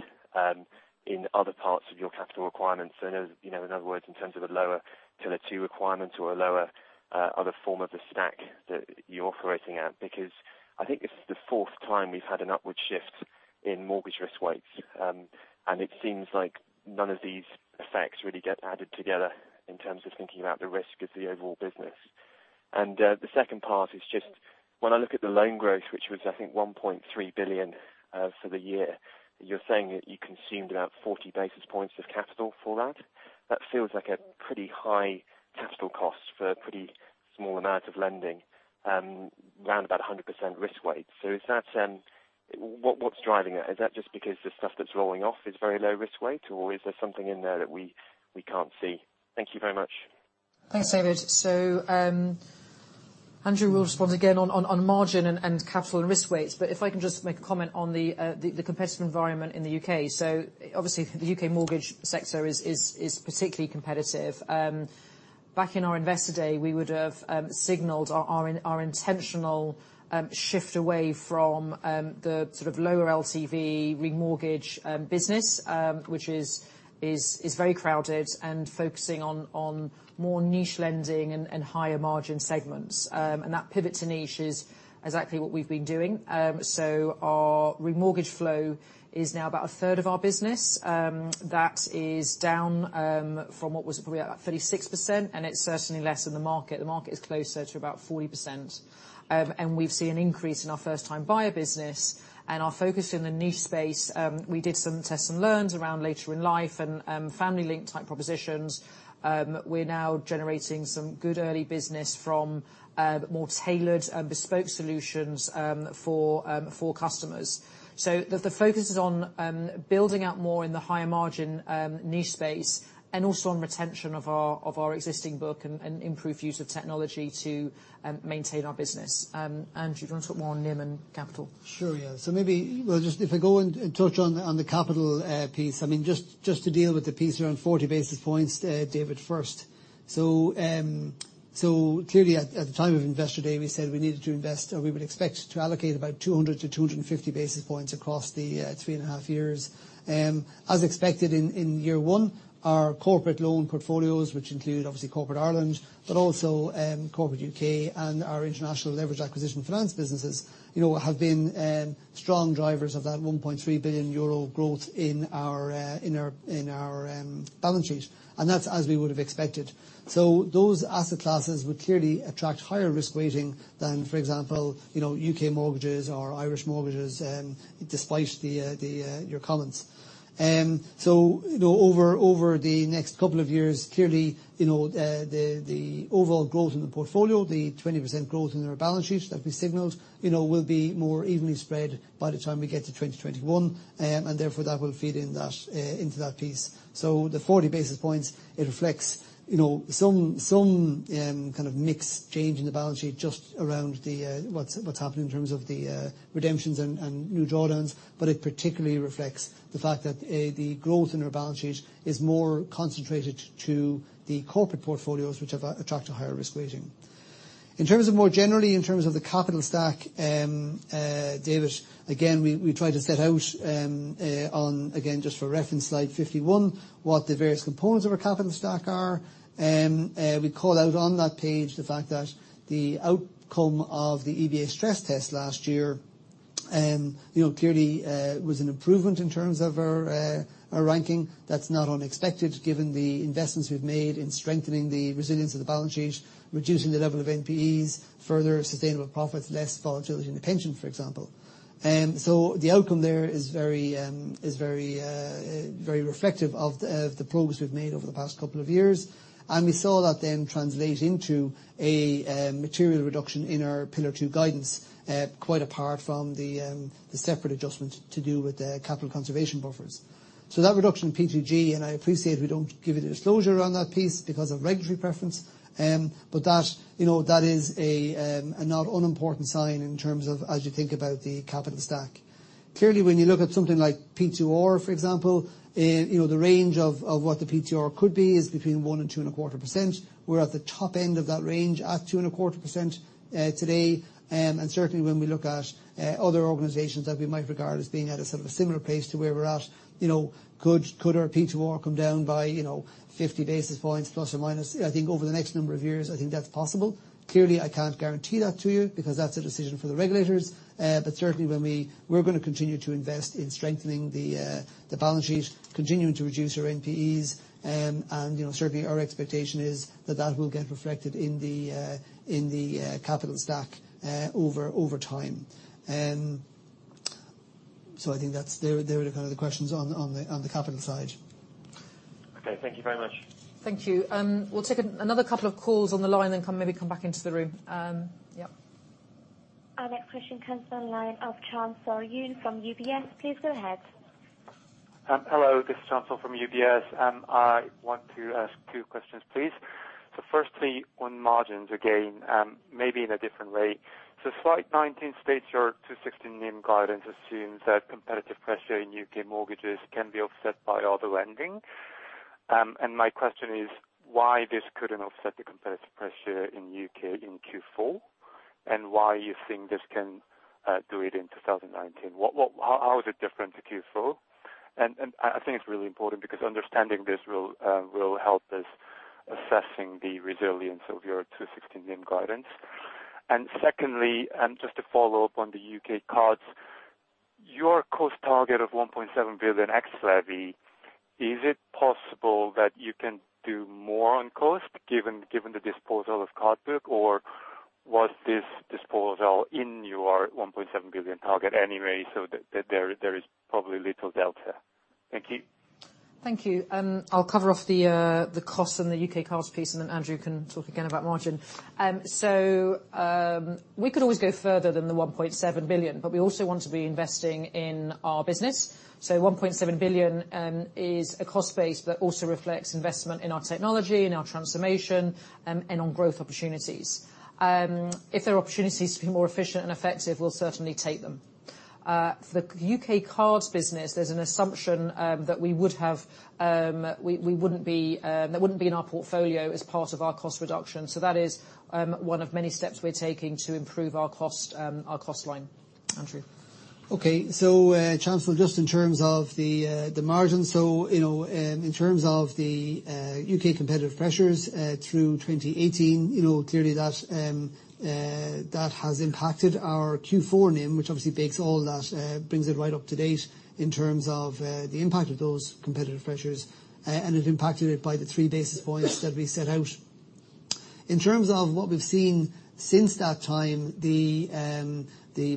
in other parts of your capital requirements? In other words, in terms of a lower Pillar 2 requirement or a lower other form of the stack that you're operating at. I think this is the fourth time we've had an upward shift in mortgage risk weights. It seems like none of these effects really get added together in terms of thinking about the risk of the overall business. The second part is just when I look at the loan growth, which was, I think, 1.3 billion for the year, you're saying that you consumed about 40 basis points of capital for that. That feels like a pretty high capital cost for a pretty small amount of lending around about 100% risk weight. What's driving it? Is that just because the stuff that's rolling off is very low risk weight, or is there something in there that we can't see? Thank you very much. Thanks, David. Andrew will respond again on margin and capital and risk weights, but if I can just make a comment on the competitive environment in the U.K. Obviously the U.K. mortgage sector is particularly competitive. Back in our Investor Day, we would have signaled our intentional shift away from the sort of lower LTV remortgage business, which is very crowded and focusing on more niche lending and higher margin segments. That pivot to niche is exactly what we've been doing. Our remortgage flow is now about a third of our business. That is down from what was probably at 36%, and it's certainly less than the market. The market is closer to about 40%. We've seen an increase in our first time buyer business and our focus in the niche space. We did some tests and learns around later in life and family link type propositions. We're now generating some good early business from more tailored and bespoke solutions for customers. The focus is on building out more in the higher margin niche space, and also on retention of our existing book and improved use of technology to maintain our business. Andrew, do you want to talk more on NIM and capital? Sure, yeah. Maybe if I go and touch on the capital piece. Just to deal with the piece around 40 basis points, David, first. Clearly at the time of Investor Day, we said we needed to invest, or we would expect to allocate about 200 to 250 basis points across the three and a half years. As expected in year one, our corporate loan portfolios, which include obviously corporate Ireland, but also corporate U.K. and our international leveraged acquisition finance businesses have been strong drivers of that 1.3 billion euro growth in our balance sheet, and that's as we would have expected. Those asset classes would clearly attract higher risk weighting than, for example, U.K. mortgages or Irish mortgages, despite your comments. Over the next couple of years, clearly the overall growth in the portfolio, the 20% growth in our balance sheet that we signaled will be more evenly spread by the time we get to 2021, and therefore that will feed into that piece. The 40 basis points, it reflects some kind of mix change in the balance sheet just around what's happening in terms of the redemptions and new drawdowns. It particularly reflects the fact that the growth in our balance sheet is more concentrated to the corporate portfolios, which attract a higher risk weighting. In terms of more generally, in terms of the capital stack, David, again, we tried to set out on, again, just for reference, slide 51, what the various components of our capital stack are. We call out on that page the fact that the outcome of the EBA stress test last year clearly was an improvement in terms of our ranking. That's not unexpected given the investments we've made in strengthening the resilience of the balance sheet, reducing the level of NPEs, further sustainable profits, less volatility in the pension, for example. The outcome there is very reflective of the progress we've made over the past couple of years, and we saw that then translate into a material reduction in our Pillar 2 guidance, quite apart from the separate adjustment to do with the capital conservation buffers. That reduction in P2G, and I appreciate we don't give a disclosure on that piece because of regulatory preference, but that is a not unimportant sign in terms of as you think about the capital stack. Clearly, when you look at something like P2R, for example, the range of what the P2R could be is between one and two and a quarter percent. We're at the top end of that range at two and a quarter percent today. Certainly when we look at other organizations that we might regard as being at a sort of a similar place to where we're at, could our P2R come down by 50 basis points plus or minus? I think over the next number of years, I think that's possible. Clearly, I can't guarantee that to you because that's a decision for the regulators. Certainly we're going to continue to invest in strengthening the balance sheet, continuing to reduce our NPEs, and certainly our expectation is that that will get reflected in the capital stack over time. I think that's there are kind of the questions on the capital side. Okay, thank you very much. Thank you. We'll take another couple of calls on the line then maybe come back into the room. Yep. Our next question comes on the line of [Chan Seo] Yoon from UBS. Please go ahead. Hello. This is [Chan Seo] from UBS. I want to ask two questions, please. Firstly, on margins again maybe in a different way. Slide 19 states your 2019 NIM guidance assumes that competitive pressure in U.K. mortgages can be offset by other lending. My question is, why this couldn't offset the competitive pressure in U.K. in Q4, and why you think this can do it in 2019? How is it different to Q4? I think it's really important because understanding this will help us assessing the resilience of your 2019 NIM guidance. Secondly, just to follow up on the U.K. cards, your cost target of 1.7 billion ex-levy, is it possible that you can do more on cost given the disposal of card book, or was this disposal in your 1.7 billion target anyway, there is probably little delta? Thank you. Thank you. I'll cover off the costs and the U.K. cards piece, and then Andrew can talk again about margin. We could always go further than the 1.7 billion, but we also want to be investing in our business. 1.7 billion is a cost base that also reflects investment in our technology, in our transformation, and on growth opportunities. If there are opportunities to be more efficient and effective, we'll certainly take them. For the U.K. cards business, there's an assumption that they wouldn't be in our portfolio as part of our cost reduction. That is one of many steps we're taking to improve our cost line. Andrew. Okay. [Chan Seo], just in terms of the margin. In terms of the U.K. competitive pressures through 2018, clearly that has impacted our Q4 NIM, which obviously bakes all that, brings it right up to date in terms of the impact of those competitive pressures, and it impacted it by the three basis points that we set out. In terms of what we've seen since that time, the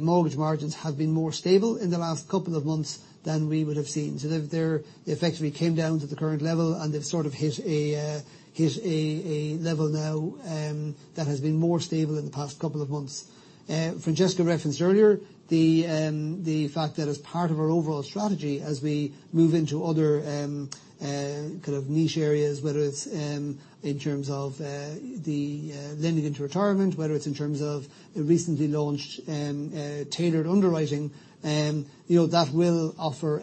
mortgage margins have been more stable in the last couple of months than we would have seen. They effectively came down to the current level, and they've sort of hit a level now that has been more stable in the past couple of months. Francesca referenced earlier the fact that as part of our overall strategy, as we move into other kind of niche areas, whether it's in terms of the lending into retirement, whether it's in terms of the recently launched tailored underwriting, that will offer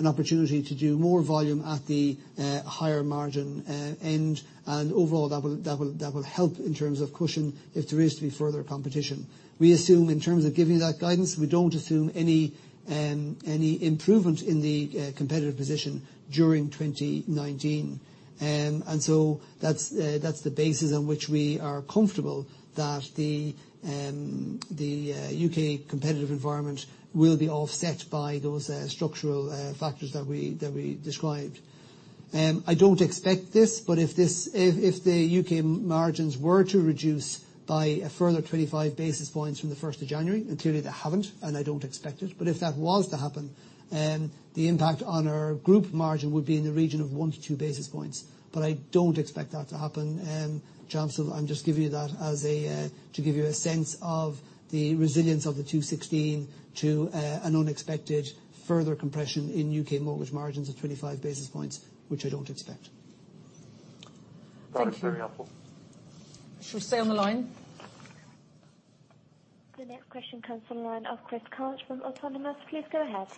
an opportunity to do more volume at the higher margin end, and overall that will help in terms of cushion if there is to be further competition. We assume in terms of giving you that guidance, we don't assume any improvement in the competitive position during 2019. That's the basis on which we are comfortable that the U.K. competitive environment will be offset by those structural factors that we described. If the U.K. margins were to reduce by a further 25 basis points from the 1st of January, clearly they haven't, and I don't expect it, but if that was to happen, the impact on our group margin would be in the region of one to two basis points. I don't expect that to happen, [Chan Seo]. I'm just giving you that to give you a sense of the resilience of the 216 to an unexpected further compression in U.K. mortgage margins of 25 basis points, which I don't expect. That is very helpful. Should we stay on the line? The next question comes from the line of Chris Koch from Autonomous. Please go ahead.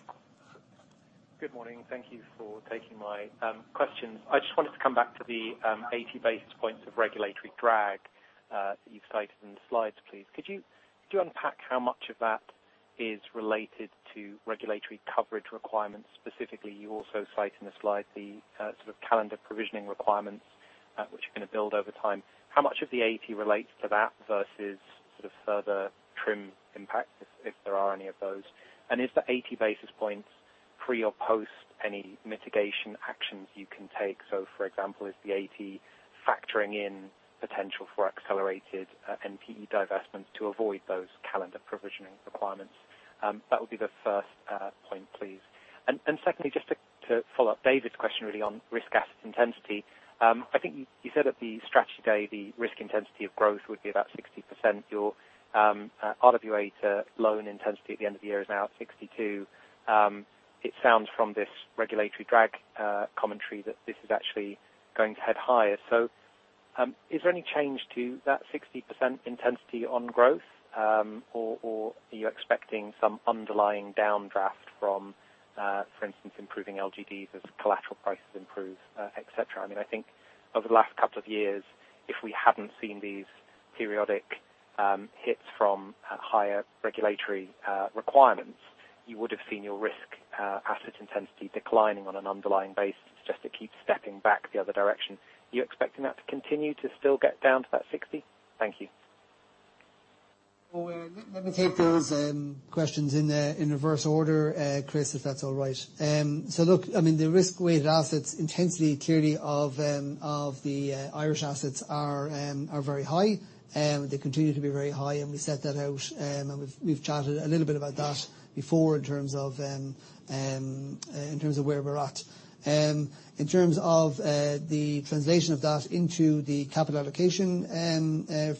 Good morning. Thank you for taking my questions. I just wanted to come back to the 80 basis points of regulatory drag that you've cited in the slides, please. Could you unpack how much of that is related to regulatory coverage requirements? Specifically, you also cite in the slide the sort of calendar provisioning requirements, which are going to build over time. How much of the 80 relates to that versus sort of further TRIM impact, if there are any of those? Is the 80 basis points pre or post any mitigation actions you can take? For example, is the 80 factoring in potential for accelerated NPE divestments to avoid those calendar provisioning requirements? That would be the first point, please. Secondly, just to follow up David's question really on risk assets intensity. I think you said at the strategy day the risk intensity of growth would be about 60%. Your RWA to loan intensity at the end of the year is now at 62. It sounds from this regulatory drag commentary that this is actually going to head higher. Is there any change to that 60% intensity on growth? Are you expecting some underlying downdraft from, for instance, improving LGDs as collateral prices improve, et cetera? I think over the last couple of years, if we haven't seen these periodic hits from higher regulatory requirements, you would have seen your risk asset intensity declining on an underlying basis. It's just it keeps stepping back the other direction. Are you expecting that to continue to still get down to that 60? Thank you. Let me take those questions in reverse order, Chris, if that's all right. The risk-weighted assets intensity, clearly, of the Irish assets are very high. They continue to be very high, and we set that out, and we've chatted a little bit about that before in terms of where we're at. In terms of the translation of that into the capital allocation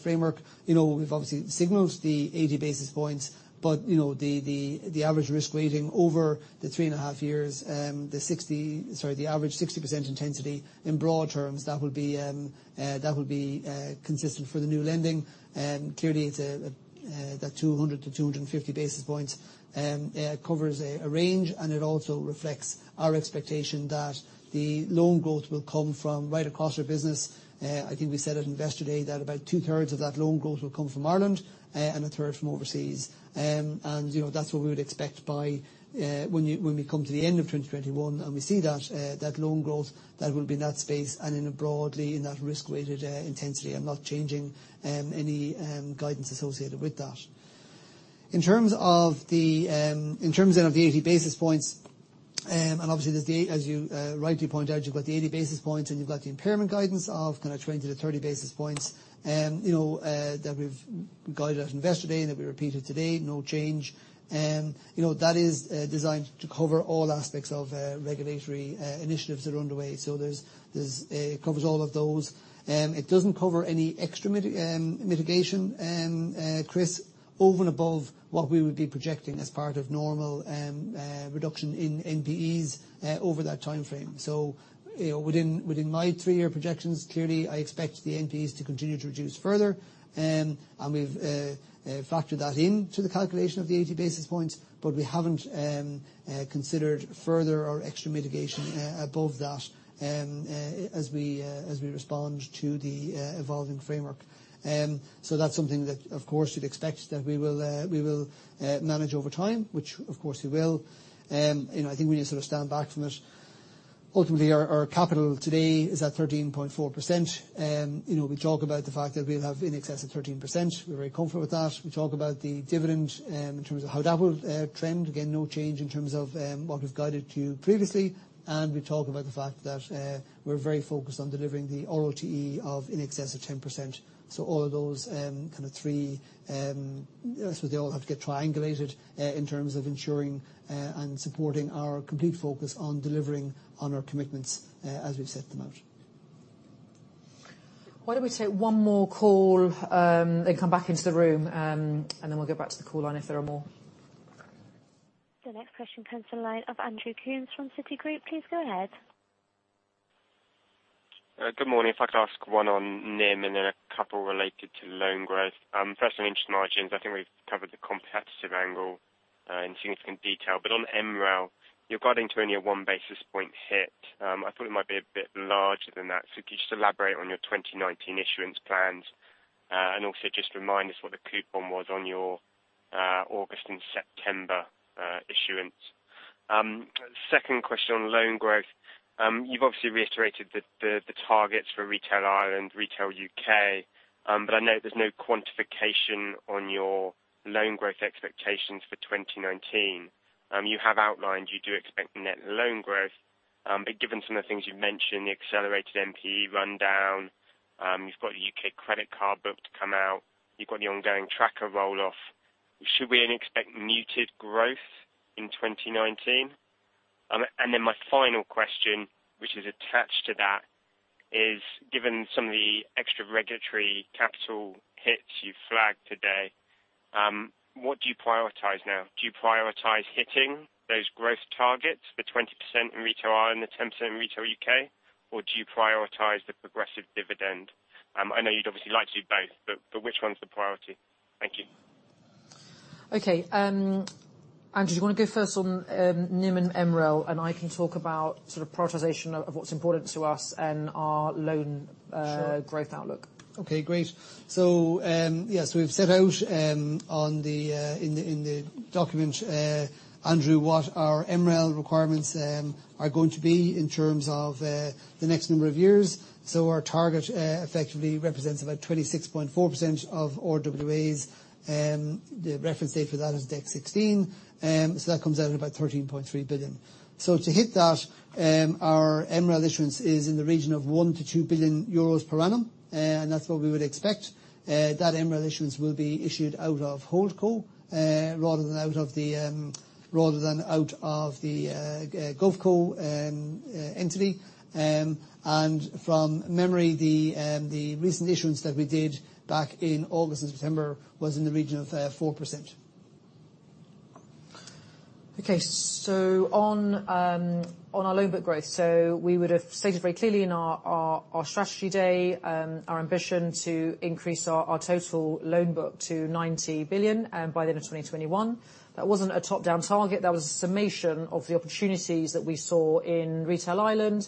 framework, we've obviously signaled the 80 basis points, but the average risk weighting over the 3.5 years, the average 60% intensity, in broad terms, that would be consistent for the new lending. Clearly, that 200-250 basis points covers a range, and it also reflects our expectation that the loan growth will come from right across our business. I think we said it in Investor Day that about two-thirds of that loan growth will come from Ireland, and a third from overseas. That's what we would expect when we come to the end of 2021, and we see that loan growth, that will be in that space, and broadly in that risk-weighted intensity. I'm not changing any guidance associated with that. In terms then of the 80 basis points, and obviously as you rightly point out, you've got the 80 basis points, and you've got the impairment guidance of 20-30 basis points that we've guided at Investor Day, and that we repeated today, no change. That is designed to cover all aspects of regulatory initiatives that are underway. It covers all of those. It doesn't cover any extra mitigation, Chris, over and above what we would be projecting as part of normal reduction in NPEs over that timeframe. Within my three-year projections, clearly, I expect the NPEs to continue to reduce further. We've factored that into the calculation of the 80 basis points, but we haven't considered further or extra mitigation above that as we respond to the evolving framework. That's something that, of course, you'd expect that we will manage over time, which of course we will. I think we need to sort of stand back from it. Ultimately, our capital today is at 13.4%, we talk about the fact that we'll have in excess of 13%. We're very comfortable with that. We talk about the dividend, in terms of how that will trend. Again, no change in terms of what we've guided to you previously. We talk about the fact that we're very focused on delivering the ROTE of in excess of 10%. All of those kind of three, they all have to get triangulated in terms of ensuring and supporting our complete focus on delivering on our commitments as we've set them out. Why don't we take one more call, then come back into the room, and then we'll go back to the call line if there are more. The next question comes to the line of Andrew Coombs from Citigroup. Please go ahead. Good morning. If I could ask one on NIM and then a couple related to loan growth. First on interest margins, I think we've covered the competitive angle in significant detail, but on MREL, you're guiding to only a one basis point hit. I thought it might be a bit larger than that. Could you just elaborate on your 2019 issuance plans, and also just remind us what the coupon was on your August and September issuance. Second question on loan growth. You've obviously reiterated the targets for retail Ireland, retail U.K., but I note there's no quantification on your loan growth expectations for 2019. You have outlined you do expect net loan growth. Given some of the things you've mentioned, the accelerated NPE rundown, you've got the U.K. credit card book to come out, you've got the ongoing tracker roll-off. Should we expect muted growth in 2019? My final question, which is attached to that is, given some of the extra regulatory capital hits you've flagged today, what do you prioritize now? Do you prioritize hitting those growth targets for 20% in retail Ireland, the 10% in retail U.K., or do you prioritize the progressive dividend? I know you'd obviously like to do both, but which one's the priority? Thank you. Okay. Andrew, do you want to go first on NIM and MREL, and I can talk about sort of prioritization of what's important to us and our loan growth outlook. Okay, great. Yes, we've set out in the document, Andrew, what our MREL requirements are going to be in terms of the next number of years. Our target effectively represents about 26.4% of RWAs, the reference date for that is December 2016. That comes out at about 13.3 billion. To hit that, our MREL issuance is in the region of 1 billion-2 billion euros per annum, and that's what we would expect. That MREL issuance will be issued out of Holdco rather than out of the OpCo entity. From memory, the recent issuance that we did back in August and September was in the region of 4%. Okay. On our loan book growth, we would have stated very clearly in our strategy day our ambition to increase our total loan book to 90 billion by the end of 2021. That wasn't a top-down target. That was a summation of the opportunities that we saw in retail Ireland,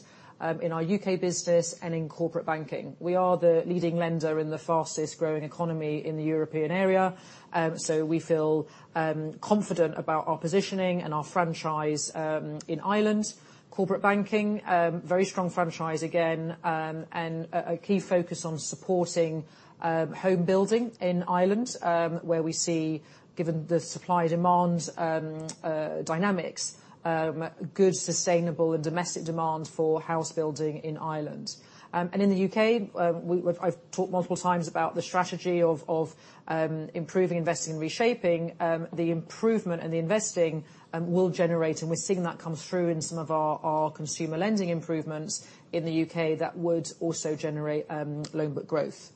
in our U.K. business, and in corporate banking. We are the leading lender in the fastest-growing economy in the European area. We feel confident about our positioning and our franchise in Ireland. Corporate banking, very strong franchise again, and a key focus on supporting home building in Ireland, where we see, given the supply-demand dynamics, good sustainable and domestic demand for house building in Ireland. In the U.K., I've talked multiple times about the strategy of improving, investing, and reshaping. The improvement and the investing will generate, and we're seeing that come through in some of our consumer lending improvements in the U.K. that would also generate loan book growth.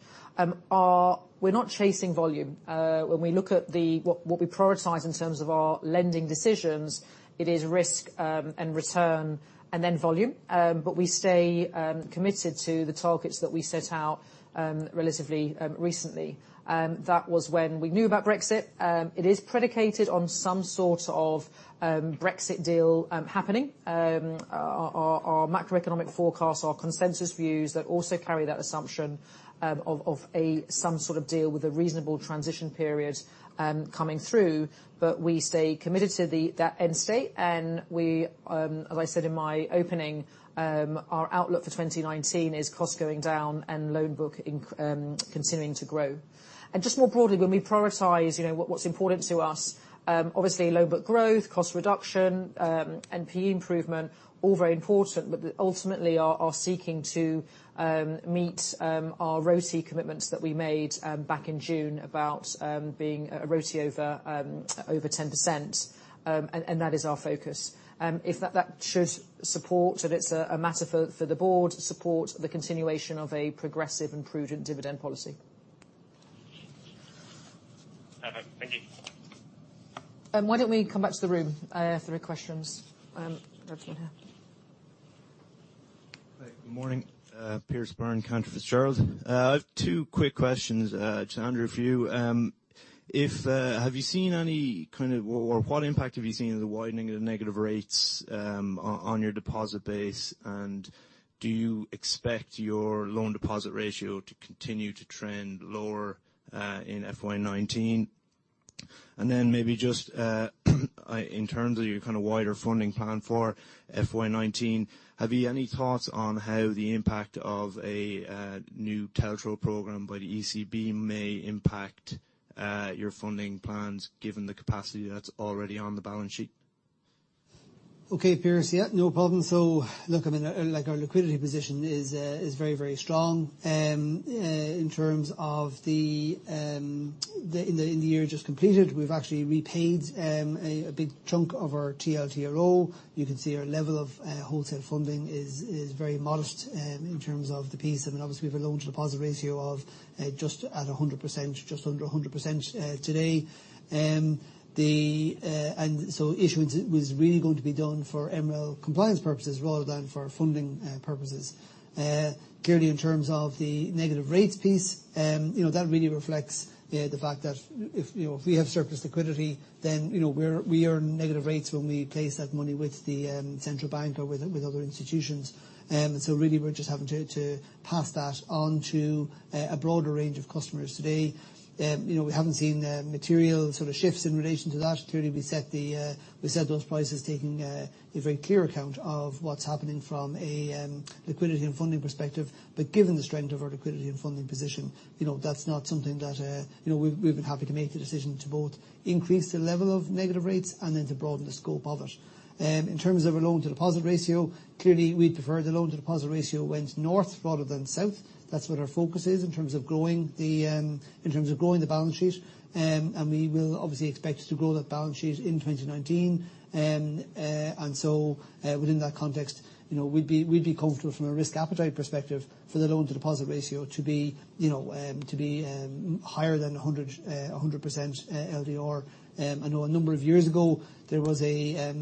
We're not chasing volume. When we look at what we prioritize in terms of our lending decisions, it is risk and return, and then volume. We stay committed to the targets that we set out relatively recently. That was when we knew about Brexit. It is predicated on some sort of Brexit deal happening. Our macroeconomic forecasts, our consensus views that also carry that assumption of some sort of deal with a reasonable transition period coming through. We stay committed to that end state, and as I said in my opening, our outlook for 2019 is costs going down and loan book continuing to grow. Just more broadly, when we prioritize what's important to us, obviously loan book growth, cost reduction, NPE improvement, all very important, but ultimately are seeking to meet our ROTE commitments that we made back in June about being a ROTE over 10%, and that is our focus. If that should support, and it's a matter for the board, support the continuation of a progressive and prudent dividend policy. Okay, thank you. Why don't we come back to the room for questions? There's one here. Hi. Good morning. Pierce Byrne, Cantor Fitzgerald. I have two quick questions, to Andrew, for you. What impact have you seen in the widening of the negative rates on your deposit base, and do you expect your loan deposit ratio to continue to trend lower in FY 2019? Maybe just in terms of your kind of wider funding plan for FY 2019, have you any thoughts on how the impact of a new TLTRO program by the ECB may impact your funding plans given the capacity that's already on the balance sheet? Okay, Pierce. Yeah, no problem. Look, our liquidity position is very, very strong. In terms of the year just completed, we've actually repaid a big chunk of our TLTRO. You can see our level of wholesale funding is very modest in terms of the piece, and obviously, we have a loan-to-deposit ratio of just at 100%, just under 100% today. Issuance was really going to be done for MREL compliance purposes rather than for funding purposes. Clearly, in terms of the negative rates piece, that really reflects the fact that if we have surplus liquidity, then we earn negative rates when we place that money with the central bank or with other institutions. Really we're just having to pass that on to a broader range of customers today. We haven't seen material sort of shifts in relation to that. Clearly, we set those prices taking a very clear account of what's happening from a liquidity and funding perspective. Given the strength of our liquidity and funding position, that's not something that we've been happy to make the decision to both increase the level of negative rates and then to broaden the scope of it. In terms of our loan-to-deposit ratio, clearly we'd prefer the loan-to-deposit ratio went north rather than south. That's what our focus is in terms of growing the balance sheet, we will obviously expect to grow that balance sheet in 2019. Within that context, we'd be comfortable from a risk appetite perspective for the loan-to-deposit ratio to be higher than 100% LDR. I know a number of years ago, there was a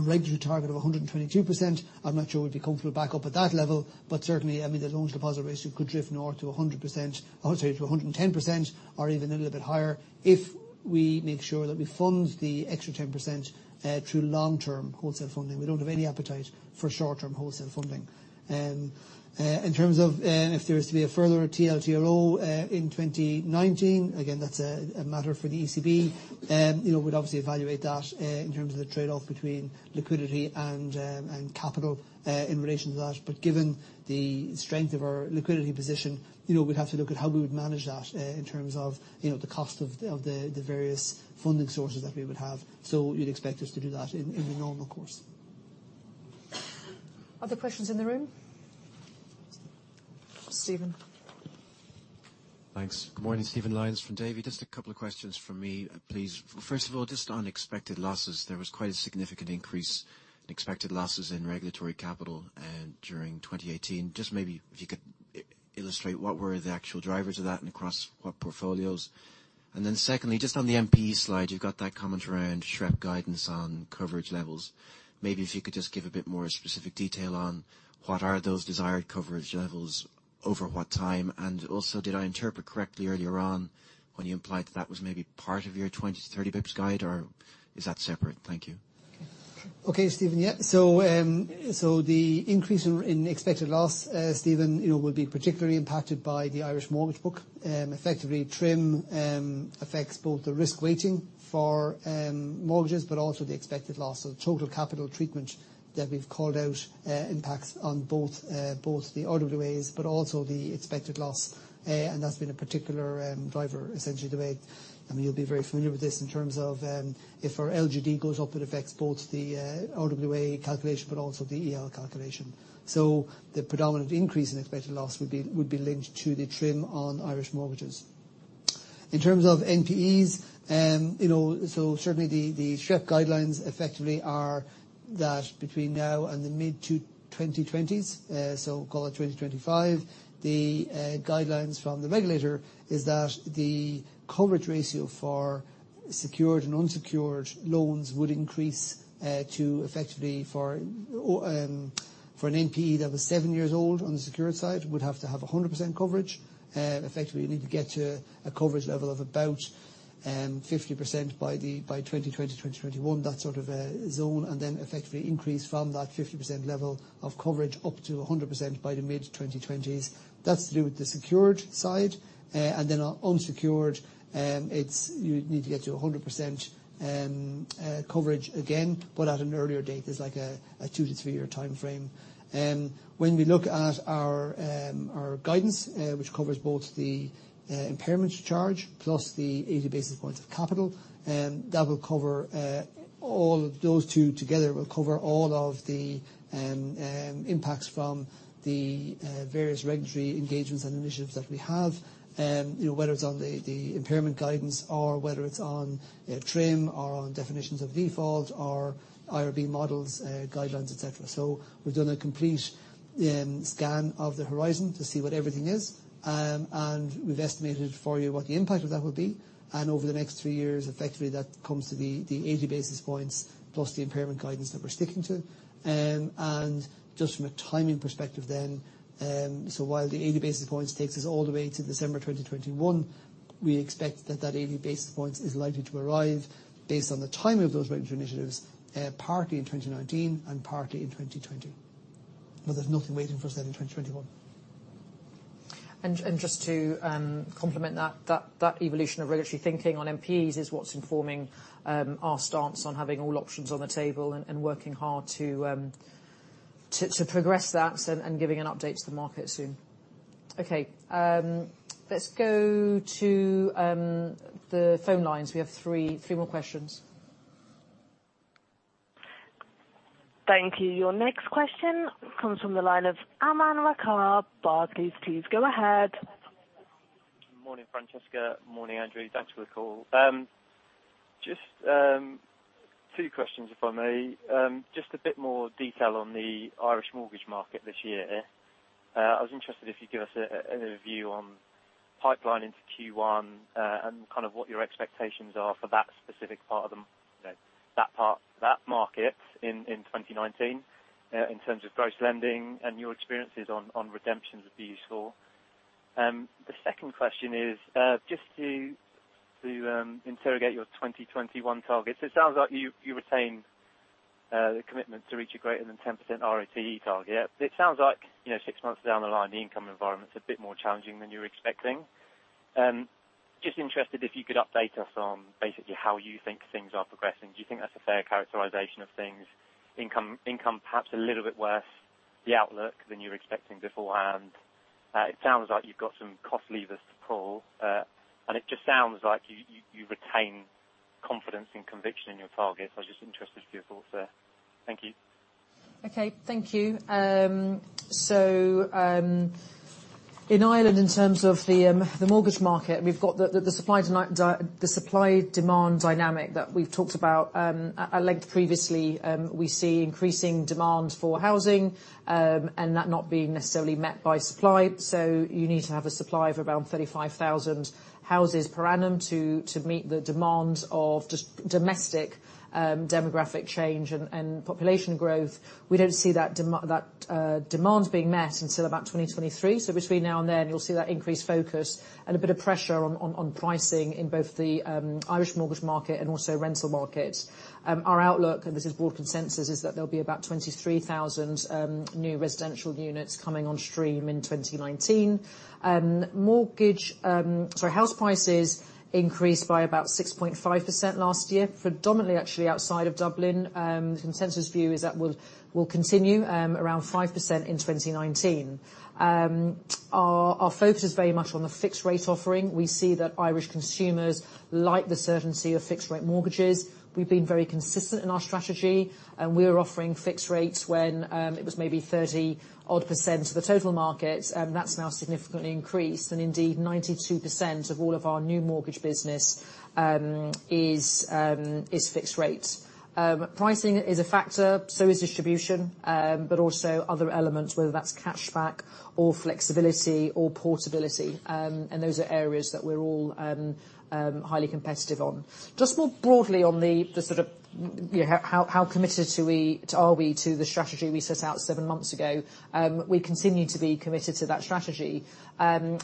regulatory target of 122%. I'm not sure we'd be comfortable back up at that level, but certainly, the loan-to-deposit ratio could drift north to 110% or even a little bit higher if we make sure that we fund the extra 10% through long-term wholesale funding. We don't have any appetite for short-term wholesale funding. In terms of if there is to be a further TLTRO in 2019, again, that's a matter for the ECB. We'd obviously evaluate that in terms of the trade-off between liquidity and capital in relation to that. Given the strength of our liquidity position, we'd have to look at how we would manage that in terms of the cost of the various funding sources that we would have. You'd expect us to do that in the normal course. Other questions in the room? Stephen. Thanks. Good morning. Stephen Lyons from Davy. Just a couple of questions from me, please. First of all, just on expected losses, there was quite a significant increase in expected losses in regulatory capital during 2018. Just maybe if you could illustrate what were the actual drivers of that and across what portfolios? Secondly, just on the NPE slide, you've got that comment around SREP guidance on coverage levels. Maybe if you could just give a bit more specific detail on what are those desired coverage levels, over what time, and also did I interpret correctly earlier on when you implied that was maybe part of your 20 to 30 basis points guide, or is that separate? Thank you. Okay, Stephen. The increase in expected loss, Stephen, will be particularly impacted by the Irish mortgage book. Effectively, TRIM affects both the risk weighting for mortgages, but also the expected loss. The total capital treatment that we've called out impacts on both the RWAs, but also the expected loss, and that's been a particular driver, essentially, to date. You'll be very familiar with this in terms of if our LGD goes up, it affects both the RWA calculation, but also the EL calculation. The predominant increase in expected loss would be linked to the TRIM on Irish mortgages. In terms of NPEs, certainly the SREP guidelines effectively are that between now and the mid 2020s, the guidelines from the regulator is that the coverage ratio for secured and unsecured loans would increase to effectively for an NPE that was seven years old on the secured side, would have to have 100% coverage. Effectively, you need to get to a coverage level of about 50% by 2020, 2021, that sort of zone, and then effectively increase from that 50% level of coverage up to 100% by the mid 2020s. That's to do with the secured side. Unsecured, you need to get to 100% coverage again, but at an earlier date, there's like a two to three-year timeframe. When we look at our guidance, which covers both the impairment charge plus the 80 basis points of capital, all of those two together will cover all of the impacts from the various regulatory engagements and initiatives that we have. Whether it's on the impairment guidance or whether it's on TRIM or on definitions of default or IRB models, guidelines, et cetera. We've done a complete scan of the horizon to see what everything is, and we've estimated for you what the impact of that will be, and over the next three years, effectively, that comes to the 80 basis points plus the impairment guidance that we're sticking to. While the 80 basis points takes us all the way to December 2021, we expect that that 80 basis points is likely to arrive based on the timing of those regulatory initiatives, partly in 2019 and partly in 2020. There's nothing waiting for us there in 2021. Just to complement that evolution of regulatory thinking on NPEs is what's informing our stance on having all options on the table and working hard to progress that and giving an update to the market soon. Okay. Let's go to the phone lines. We have three more questions. Thank you. Your next question comes from the line of Aman Rakkar, Barclays. Please go ahead. Morning, Francesca. Morning, Andrew. Thanks for the call. Just two questions, if I may. Just a bit more detail on the Irish mortgage market this year. I was interested if you'd give us a review on pipeline into Q1, and what your expectations are for that specific part of that market in 2019, in terms of gross lending and your experiences on redemptions would be useful. The second question is, just to interrogate your 2021 targets, it sounds like you retain the commitment to reach a greater than 10% ROTE target. It sounds like six months down the line, the income environment's a bit more challenging than you were expecting. Just interested if you could update us on basically how you think things are progressing. Do you think that's a fair characterization of things? Income perhaps a little bit worse, the outlook than you were expecting beforehand. It sounds like you've got some cost levers to pull, it just sounds like you retain confidence and conviction in your targets. I was just interested for your thoughts there. Thank you. Okay, thank you. In Ireland, in terms of the mortgage market, we've got the supply-demand dynamic that we've talked about at length previously. We see increasing demand for housing, and that not being necessarily met by supply. You need to have a supply of around 35,000 houses per annum to meet the demand of just domestic demographic change and population growth. We don't see that demand being met until about 2023. Between now and then, you'll see that increased focus and a bit of pressure on pricing in both the Irish mortgage market and also rental markets. Our outlook, and this is broad consensus, is that there'll be about 23,000 new residential units coming on stream in 2019. House prices increased by about 6.5% last year, predominantly actually outside of Dublin. Consensus view is that will continue around 5% in 2019. Our focus is very much on the fixed rate offering. We see that Irish consumers like the certainty of fixed rate mortgages. We've been very consistent in our strategy. We were offering fixed rates when it was maybe 30%+ of the total market, and that's now significantly increased. Indeed, 92% of all of our new mortgage business is fixed rate. Pricing is a factor, so is distribution, but also other elements, whether that's cashback or flexibility or portability. Those are areas that we're all highly competitive on. Just more broadly on how committed are we to the strategy we set out seven months ago? We continue to be committed to that strategy. Our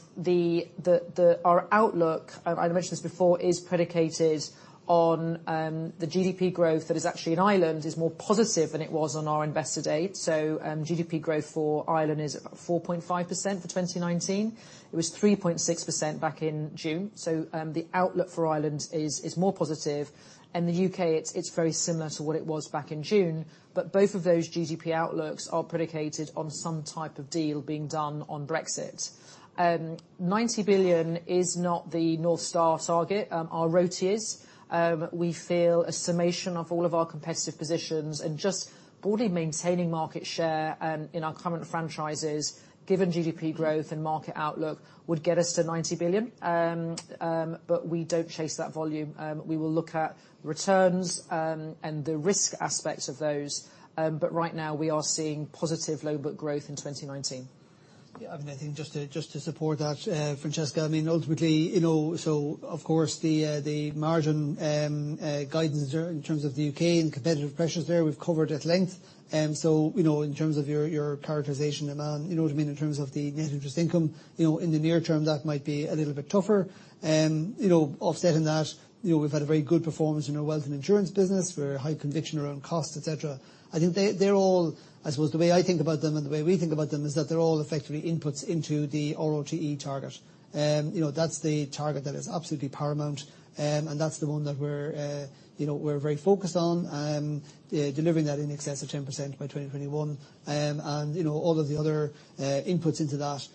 outlook, I mentioned this before, is predicated on the GDP growth that is actually in Ireland is more positive than it was on our Investor Day. GDP growth for Ireland is about 4.5% for 2019. It was 3.6% back in June. The outlook for Ireland is more positive. In the U.K., it's very similar to what it was back in June. Both of those GDP outlooks are predicated on some type of deal being done on Brexit. 90 billion is not the North Star target. Our ROTE is. We feel a summation of all of our competitive positions and just broadly maintaining market share in our current franchises, given GDP growth and market outlook, would get us to 90 billion. We don't chase that volume. We will look at returns, and the risk aspects of those. Right now we are seeing positive loan book growth in 2019. I think just to support that, Francesca, ultimately, of course the margin guidance in terms of the U.K. and competitive pressures there, we've covered at length. In terms of your characterization, you know what I mean, in terms of the net interest income. In the near term, that might be a little bit tougher. Offsetting that, we've had a very good performance in our wealth and insurance business. Very high conviction around cost, et cetera. I think they're all, as well as the way I think about them and the way we think about them, is that they're all effectively inputs into the ROTE target. That's the target that is absolutely paramount, and that's the one that we're very focused on, delivering that in excess of 10% by 2021. All of the other inputs into that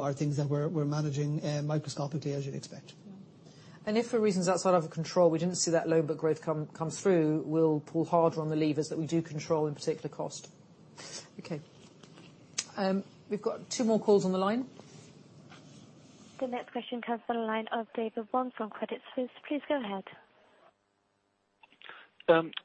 are things that we're managing microscopically, as you'd expect. If for reasons outside of our control, we didn't see that loan book growth come through, we'll pull harder on the levers that we do control, in particular cost. Okay. We've got two more calls on the line. The next question comes from the line of David Wong from Credit Suisse. Please go ahead.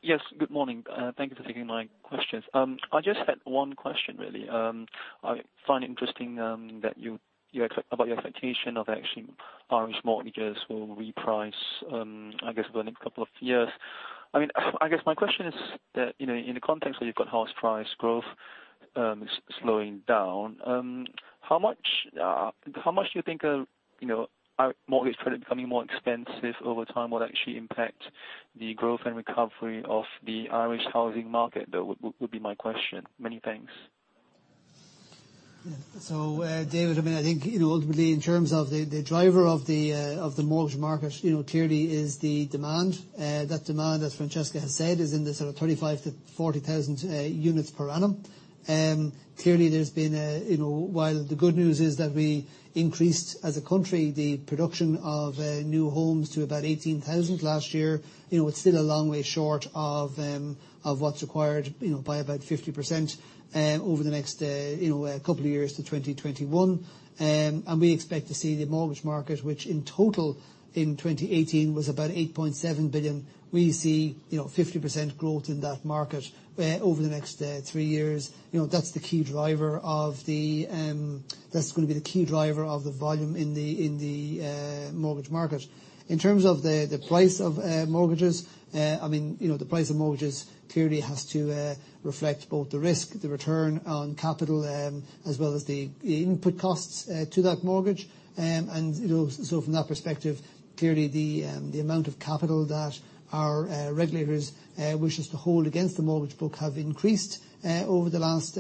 Yes, good morning. Thank you for taking my questions. I just had one question, really. I find it interesting about your expectation of actually Irish mortgages will reprice, I guess, over the next couple of years. I guess my question is that, in the context where you've got house price growth slowing down, how much do you think mortgage credit becoming more expensive over time will actually impact the growth and recovery of the Irish housing market, though would be my question. Many thanks. David, I think ultimately in terms of the driver of the mortgage market, clearly is the demand. That demand, as Francesca has said, is in the sort of 35,000-40,000 units per annum. Clearly there's been a, while the good news is that we increased, as a country, the production of new homes to about 18,000 last year. It's still a long way short of what's required by about 50% over the next couple of years to 2021. We expect to see the mortgage market, which in total in 2018 was about 8.7 billion. We see 50% growth in that market over the next three years. That's going to be the key driver of the volume in the mortgage market. In terms of the price of mortgages, the price of mortgages clearly has to reflect both the risk, the return on capital, as well as the input costs to that mortgage. From that perspective, clearly the amount of capital that our regulators wish us to hold against the mortgage book have increased over the last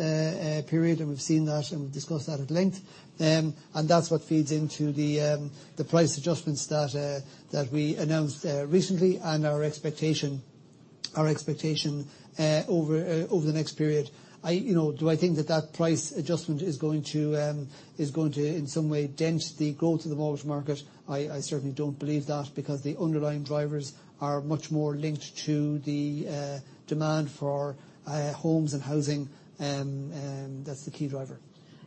period. We've seen that, and we've discussed that at length. That's what feeds into the price adjustments that we announced recently and our expectation over the next period. Do I think that that price adjustment is going to in some way dent the growth of the mortgage market? I certainly don't believe that, because the underlying drivers are much more linked to the demand for homes and housing, and that's the key driver.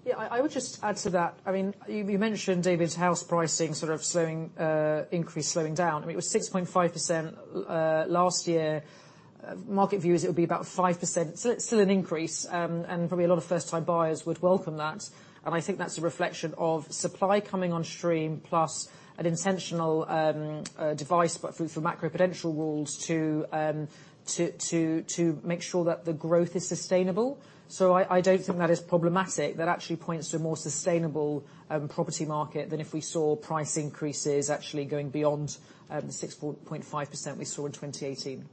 Yeah, I would just add to that. You mentioned, David, house pricing sort of increase slowing down. It was 6.5% last year. Market view is it will be about 5%. It's still an increase, and probably a lot of first time buyers would welcome that. I think that's a reflection of supply coming on stream, plus an intentional device, but through some macroprudential rules to make sure that the growth is sustainable. I don't think that is problematic. That actually points to a more sustainable property market than if we saw price increases actually going beyond the 6.5% we saw in 2018.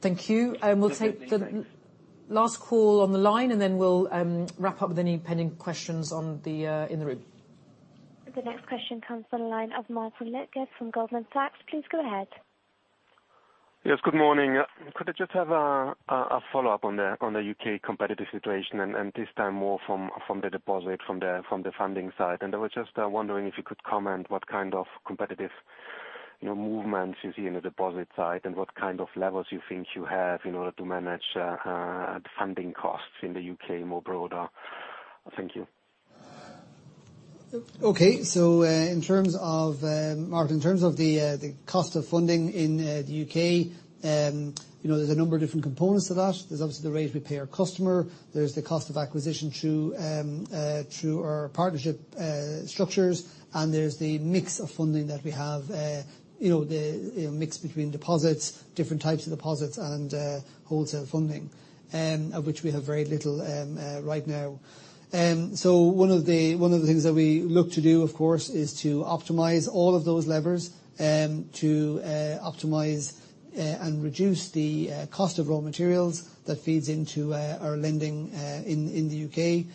Thank you. We'll take the last call on the line, and then we'll wrap up with any pending questions in the room. The next question comes from the line of Martin [Lütke] from Goldman Sachs. Please go ahead. Yes, good morning. Could I just have a follow-up on the U.K. competitive situation, and this time more from the deposit, from the funding side. I was just wondering if you could comment what kind of competitive movements you see in the deposit side, and what kind of levels you think you have in order to manage the funding costs in the U.K. more broader. Thank you. Okay, Mark, in terms of the cost of funding in the U.K., there's a number of different components to that. There's obviously the rate we pay our customer, there's the cost of acquisition through our partnership structures, and there's the mix of funding that we have. The mix between deposits, different types of deposits, and wholesale funding, of which we have very little right now. One of the things that we look to do, of course, is to optimize all of those levers, to optimize and reduce the cost of raw materials that feeds into our lending in the U.K.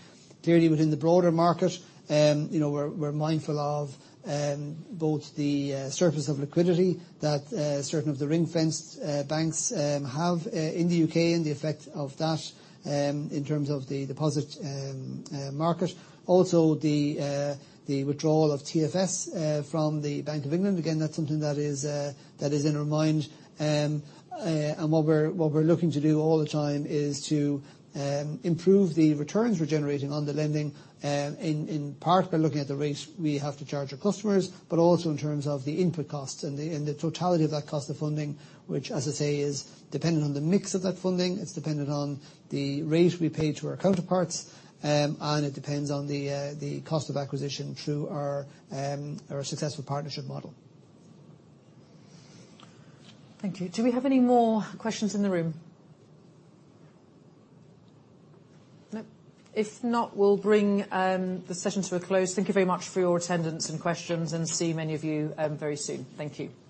Clearly within the broader market, we're mindful of both the surplus of liquidity that certain of the ring-fenced banks have in the U.K. and the effect of that, in terms of the deposit market. Also the withdrawal of TFS from the Bank of England. Again, that's something that is in our mind. What we're looking to do all the time is to improve the returns we're generating on the lending, in part by looking at the rates we have to charge our customers, also in terms of the input costs and the totality of that cost of funding, which as I say, is dependent on the mix of that funding. It's dependent on the rate we pay to our counterparts, and it depends on the cost of acquisition through our successful partnership model. Thank you. Do we have any more questions in the room? No. If not, we'll bring the session to a close. Thank you very much for your attendance and questions, see many of you very soon. Thank you